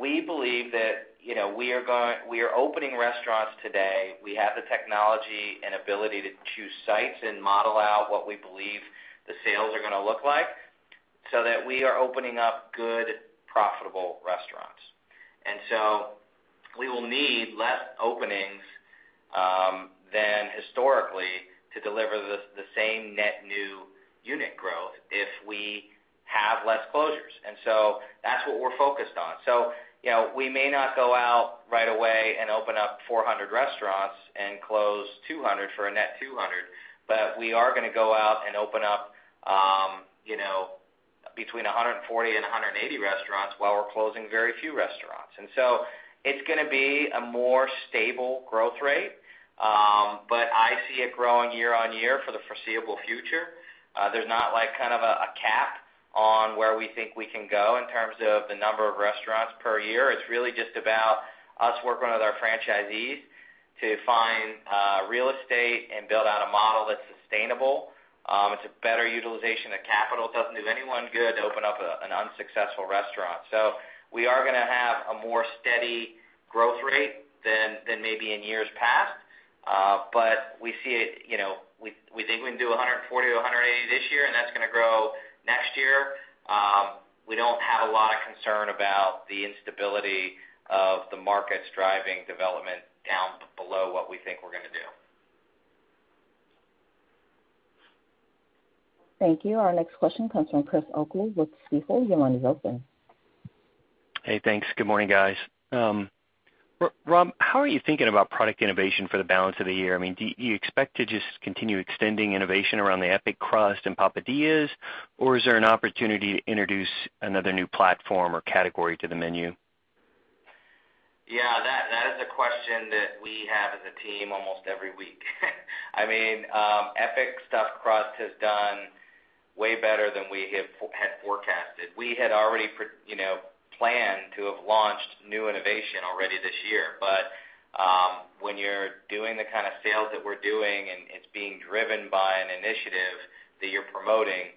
We believe that we are opening restaurants today. We have the technology and ability to choose sites and model out what we believe the sales are going to look like so that we are opening up good, profitable restaurants. We will need less openings than historically to deliver the same net new unit growth if we have less closures. That's what we're focused on. We may not go out right away and open up 400 restaurants and close 200 for a net 200, but we are going to go out and open up between 140 and 180 restaurants while we're closing very few restaurants. It's going to be a more stable growth rate, but I see it growing year on year for the foreseeable future. There's not a cap on where we think we can go in terms of the number of restaurants per year. It's really just about us working with our franchisees to find real estate and build out a model that's sustainable. It's a better utilization of capital. It doesn't do anyone good to open up an unsuccessful restaurant. We are going to have a more steady growth rate than maybe in years past. We think we can do 140-180 this year, and that's going to grow next year. We don't have a lot of concern about the instability of the markets driving development down below what we think we're going to do. Thank you. Our next question comes from Chris O'Cull with Stifel. Your line is open. Hey, thanks. Good morning, guys. Rob, how are you thinking about product innovation for the balance of the year? Do you expect to just continue extending innovation around the Epic crust and Papadias? Or is there an opportunity to introduce another new platform or category to the menu? That is a question that we have as a team almost every week. Epic Stuffed Crust has done way better than we had forecasted. We had already planned to have launched new innovation already this year. When you're doing the kind of sales that we're doing, and it's being driven by an initiative that you're promoting,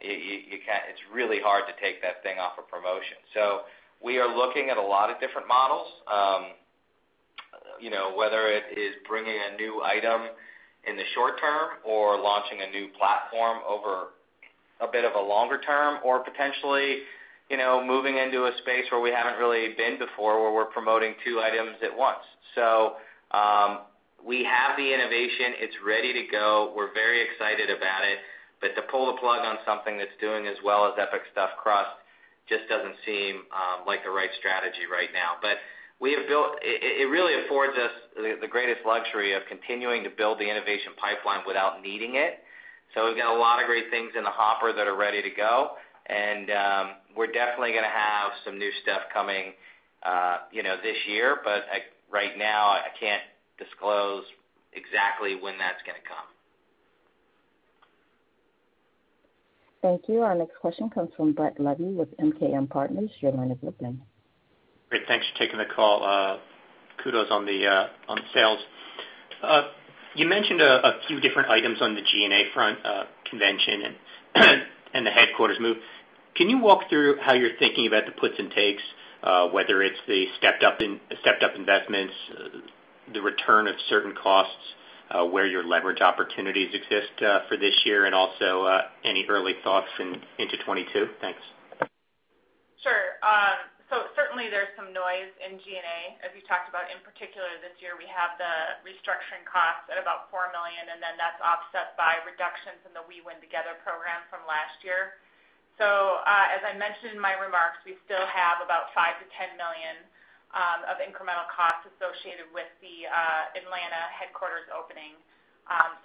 it's really hard to take that thing off of promotion. We are looking at a lot of different models. Whether it is bringing a new item in the short term or launching a new platform over a bit of a longer term, or potentially, moving into a space where we haven't really been before, where we're promoting two items at once. We have the innovation, it's ready to go. We're very excited about it. To pull the plug on something that's doing as well as Epic Stuffed Crust just doesn't seem like the right strategy right now. It really affords us the greatest luxury of continuing to build the innovation pipeline without needing it. We've got a lot of great things in the hopper that are ready to go. We're definitely going to have some new stuff coming this year, but right now, I can't disclose exactly when that's going to come. Thank you. Our next question comes from Brett Levy with MKM Partners. Your line is open. Great. Thanks for taking the call. Kudos on the sales. You mentioned a few different items on the G&A front, convention and the headquarters move. Can you walk through how you're thinking about the puts and takes, whether it's the stepped up investments, the return of certain costs, where your leverage opportunities exist, for this year, and also, any early thoughts into 2022? Thanks. Sure. Certainly there's some noise in G&A, as we talked about. In particular this year, we have the restructuring costs at about $4 million, and then that's offset by reductions in the We Win Together program from last year. As I mentioned in my remarks, we still have about $5 million-$10 million of incremental costs associated with the Atlanta headquarters opening.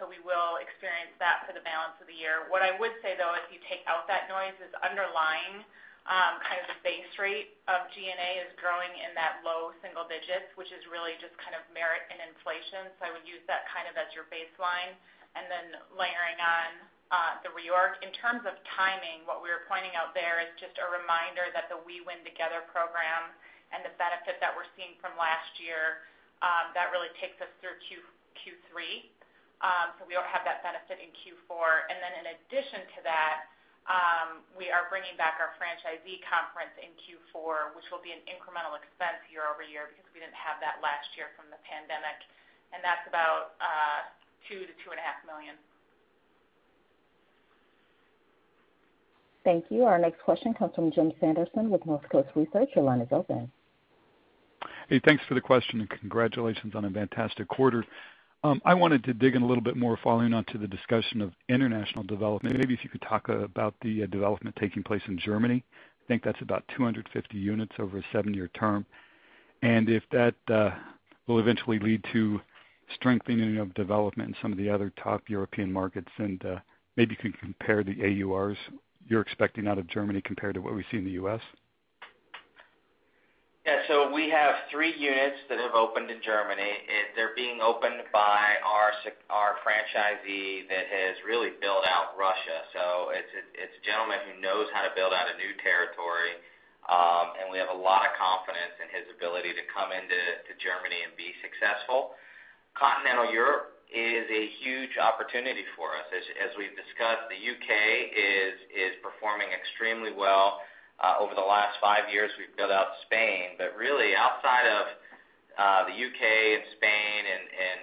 We will experience that for the balance of the year. What I would say, though, if you take out that noise, is underlying kind of the base rate of G&A is growing in that low single digits, which is really just kind of merit and inflation. I would use that as your baseline and then layering on the reorg. In terms of timing, what we are pointing out there is just a reminder that the We Win Together program and the benefit that we're seeing from last year, that really takes us through to Q3. We don't have that benefit in Q4. In addition to that, we are bringing back our franchisee conference in Q4, which will be an incremental expense year-over-year because we didn't have that last year from the pandemic. That's about $2 million-$2.5 million. Thank you. Our next question comes from Jim Sanderson with Northcoast Research. Your line is open. Thanks for the question and congratulations on a fantastic quarter. I wanted to dig in a little bit more following onto the discussion of international development. Maybe if you could talk about the development taking place in Germany. I think that's about 250 units over a seven-year term. If that will eventually lead to strengthening of development in some of the other top European markets, and maybe you can compare the AURs you're expecting out of Germany compared to what we see in the U.S. Yeah. We have three units that have opened in Germany. They're being opened by our franchisee that has really built out Russia. It's a gentleman who knows how to build out a new territory, and we have a lot of confidence in his ability to come into Germany and be successful. Continental Europe is a huge opportunity for us. As we've discussed, the U.K. is performing extremely well. Over the last five years, we've built out Spain, but really outside of the U.K. and Spain and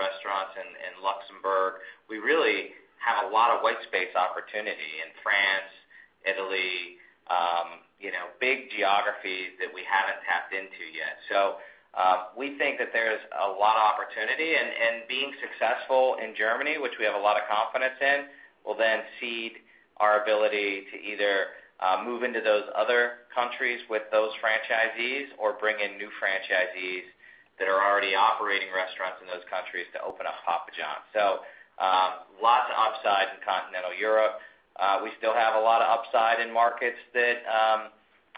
restaurants in Luxembourg, we really have a lot of white space opportunity in France, Italy. Big geographies that we haven't tapped into yet. We think that there's a lot of opportunity, and being successful in Germany, which we have a lot of confidence in, will then seed our ability to either move into those other countries with those franchisees or bring in new franchisees that are already operating restaurants in those countries to open up Papa John's. Lots of upsides in continental Europe. We still have a lot of upside in markets that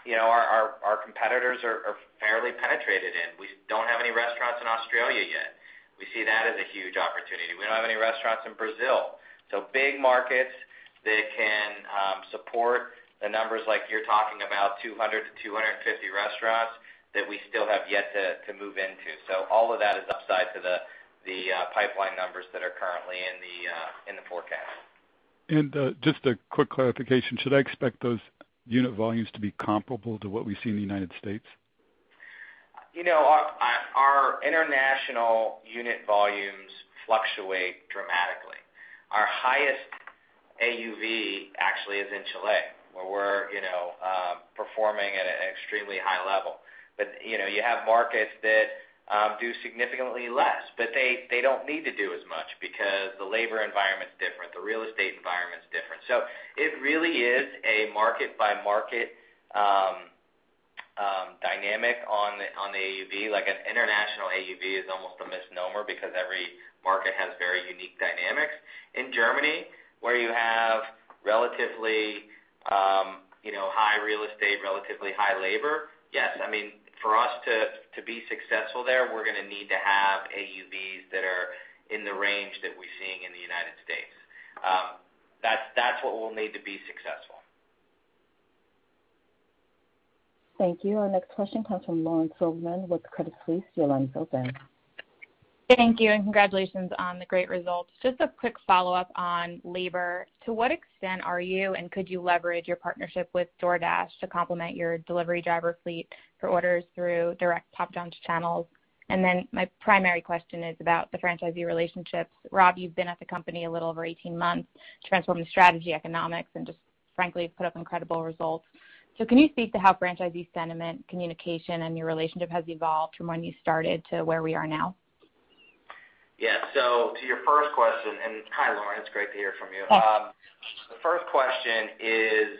our competitors are fairly penetrated in. We don't have any restaurants in Australia yet. We see that as a huge opportunity. We don't have any restaurants in Brazil. Big markets that can support the numbers like you're talking about, 200-250 restaurants that we still have yet to move into. All of that is upside to the pipeline numbers that are currently in the forecast. Just a quick clarification, should I expect those unit volumes to be comparable to what we see in the U.S.? Our international unit volumes fluctuate dramatically. Our highest AUV actually is in Chile, where we're performing at an extremely high level. You have markets that do significantly less, but they don't need to do as much because the labor environment's different, the real estate environment's different. It really is a market-by-market dynamic on the AUV. An international AUV is almost a misnomer because every market has very unique dynamics. In Germany, where you have relatively high real estate, relatively high labor, yes, for us to be successful there, we're going to need to have AUVs that are in the range that we're seeing in the United States. That's what we'll need to be successful. Thank you. Our next question comes from Lauren Silberman with Credit Suisse. Your line is open. Thank you, and congratulations on the great results. Just a quick follow-up on labor. To what extent are you, and could you leverage your partnership with DoorDash to complement your delivery driver fleet for orders through direct Papa John's channels? My primary question is about the franchisee relationships. Rob, you've been at the company a little over 18 months, transformed the strategy economics, and just frankly have put up incredible results. Can you speak to how franchisee sentiment, communication, and your relationship has evolved from when you started to where we are now? Yeah. To your first question, and hi, Lauren, it's great to hear from you. The first question is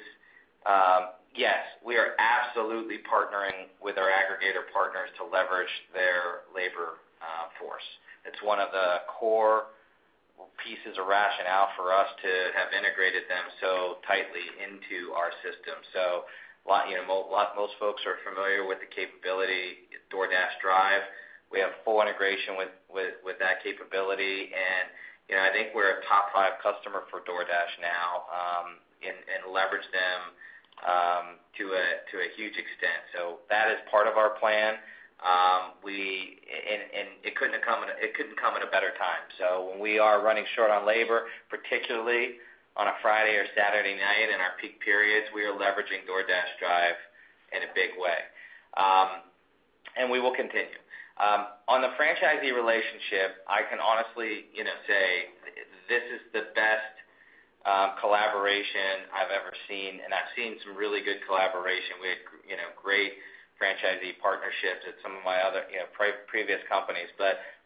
yes, we are absolutely partnering with our aggregator partners to leverage their labor force. It's one of the core pieces of rationale for us to have integrated them so tightly into our system. Most folks are familiar with the capability DoorDash Drive. We have full integration with that capability, and I think we're a top five customer for DoorDash now, and leverage them to a huge extent. That is part of our plan, and it couldn't come at a better time. When we are running short on labor, particularly on a Friday or Saturday night in our peak periods, we are leveraging DoorDash Drive in a big way. We will continue. On the franchisee relationship, I can honestly say this is the best collaboration I've ever seen, and I've seen some really good collaboration. We had great franchisee partnerships at some of my other previous companies.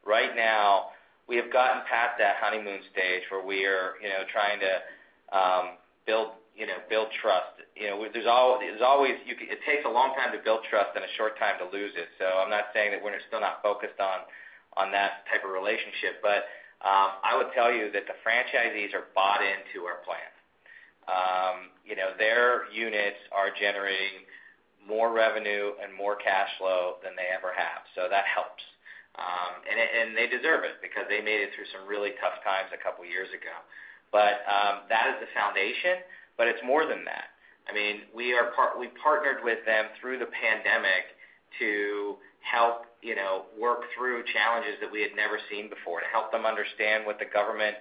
Right now, we have gotten past that honeymoon stage where we are trying to build trust. It takes a long time to build trust and a short time to lose it. I'm not saying that we're still not focused on that type of relationship. I would tell you that the franchisees are bought into our plan. Their units are generating more revenue and more cash flow than they ever have, so that helps. They deserve it because they made it through some really tough times a couple of years ago. That is the foundation, but it's more than that. We partnered with them through the pandemic to help work through challenges that we had never seen before, to help them understand what the government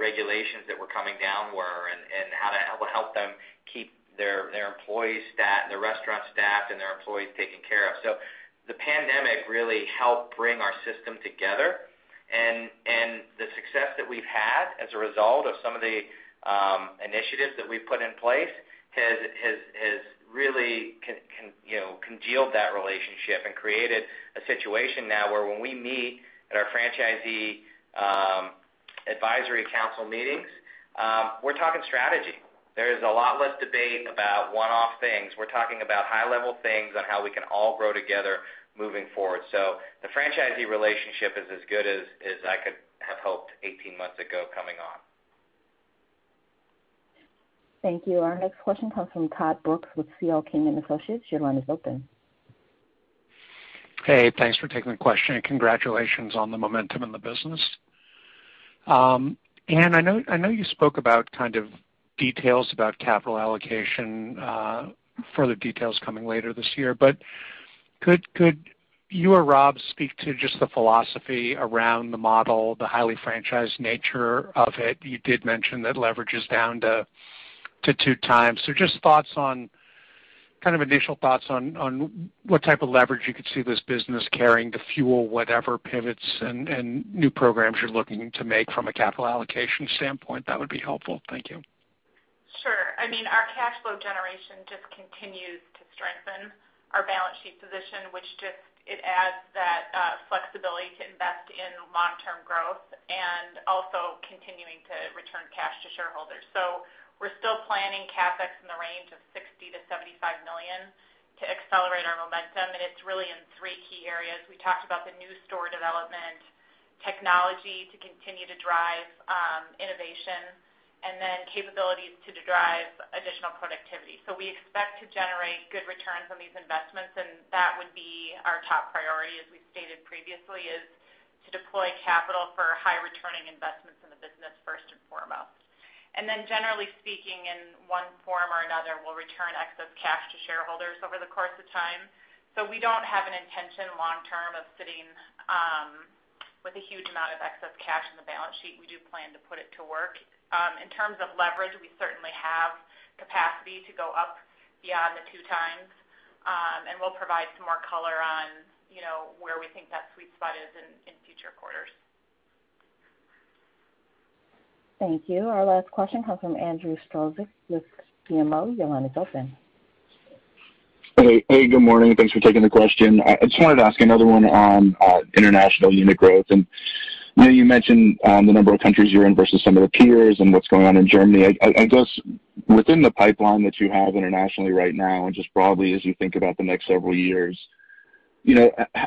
regulations that were coming down were, and how to help them keep their restaurant staffed and their employees taken care of. The pandemic really helped bring our system together, and the success that we've had as a result of some of the initiatives that we've put in place has really congealed that relationship and created a situation now where when we meet at our Franchisee Advisory Council meetings, we're talking strategy. There is a lot less debate about one-off things. We're talking about high-level things on how we can all grow together moving forward. The franchisee relationship is as good as I could have hoped 18 months ago coming on. Thank you. Our next question comes from Todd Brooks with C.L. King & Associates. Your line is open. Hey, thanks for taking the question, and congratulations on the momentum in the business. Ann, I know you spoke about details about capital allocation, further details coming later this year. Could you or Rob speak to just the philosophy around the model, the highly franchised nature of it? You did mention that leverage is down to two times. Just thoughts on. Kind of initial thoughts on what type of leverage you could see this business carrying to fuel whatever pivots and new programs you're looking to make from a capital allocation standpoint, that would be helpful. Thank you. Sure. Our cash flow generation just continues to strengthen our balance sheet position, which just adds that flexibility to invest in long-term growth and also continuing to return cash to shareholders. We're still planning CapEx in the range of $60 million-$75 million to accelerate our momentum, and it's really in three key areas. We talked about the new store development, technology to continue to drive innovation, and then capabilities to derive additional productivity. We expect to generate good returns on these investments, and that would be our top priority, as we've stated previously, is to deploy capital for high-returning investments in the business first and foremost. Generally speaking, in one form or another, we'll return excess cash to shareholders over the course of time. We don't have an intention long-term of sitting with a huge amount of excess cash on the balance sheet. We do plan to put it to work. In terms of leverage, we certainly have capacity to go up beyond the two times, and we'll provide some more color on where we think that sweet spot is in future quarters. Thank you. Our last question comes from Andrew Strelzik with BMO. Your line is open. Hey, good morning. Thanks for taking the question. I just wanted to ask another one on international unit growth. I know you mentioned the number of countries you're in versus some of the peers and what's going on in Germany. I guess within the pipeline that you have internationally right now, and just broadly as you think about the next several years,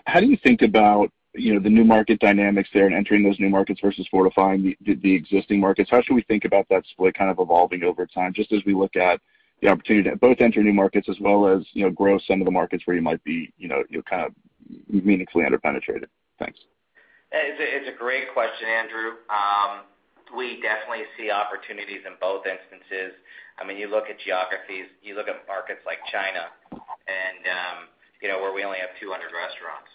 how do you think about the new market dynamics there and entering those new markets versus fortifying the existing markets? How should we think about that split kind of evolving over time, just as we look at the opportunity to both enter new markets as well as grow some of the markets where you might be kind of meaningfully under-penetrated? Thanks. It's a great question, Andrew. We definitely see opportunities in both instances. You look at geographies, you look at markets like China, where we only have 200 restaurants.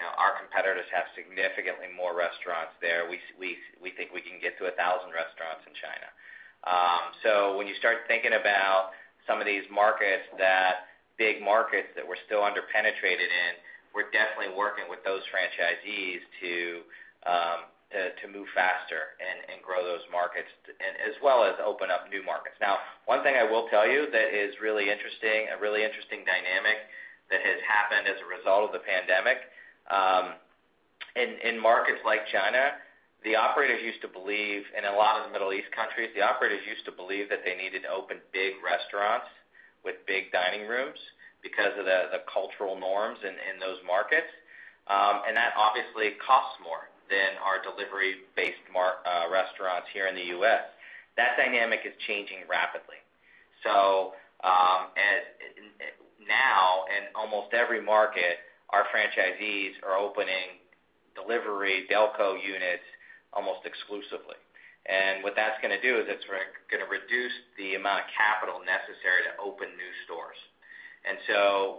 Our competitors have significantly more restaurants there. We think we can get to 1,000 restaurants in China. When you start thinking about some of these markets, that big markets that we're still under-penetrated in, we're definitely working with those franchisees to move faster and grow those markets, as well as open up new markets. One thing I will tell you that is a really interesting dynamic that has happened as a result of the pandemic. In markets like China, the operators used to believe, and a lot of the Middle East countries, the operators used to believe that they needed to open big restaurants with big dining rooms because of the cultural norms in those markets. That obviously costs more than our delivery-based restaurants here in the U.S. That dynamic is changing rapidly. Now, in almost every market, our franchisees are opening delivery Delco units almost exclusively. What that's going to do is it's going to reduce the amount of capital necessary to open new stores.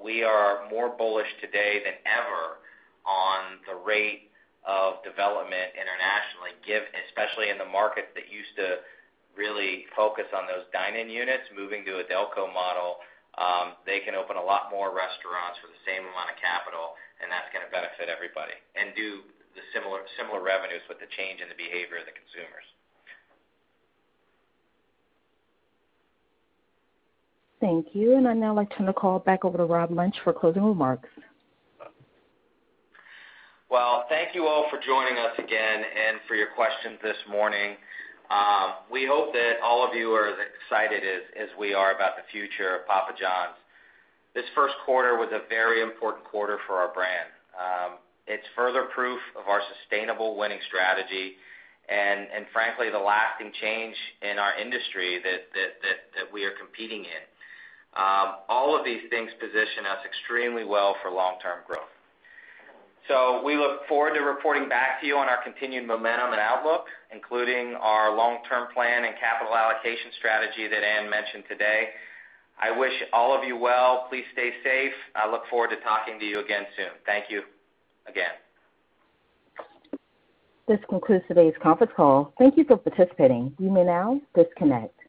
We are more bullish today than ever on the rate of development internationally, especially in the markets that used to really focus on those dine-in units moving to a Delco model. They can open a lot more restaurants with the same amount of capital, and that's going to benefit everybody and do the similar revenues with the change in the behavior of the consumers. Thank you. I'd now like to turn the call back over to Rob Lynch for closing remarks. Well, thank you all for joining us again and for your questions this morning. We hope that all of you are as excited as we are about the future of Papa John's. This Q1 was a very important quarter for our brand. It's further proof of our sustainable winning strategy and frankly, the lasting change in our industry that we are competing in. All of these things position us extremely well for long-term growth. We look forward to reporting back to you on our continued momentum and outlook, including our long-term plan and capital allocation strategy that Ann mentioned today. I wish all of you well. Please stay safe. I look forward to talking to you again soon. Thank you again. This concludes today's conference call. Thank you for participating. You may now disconnect.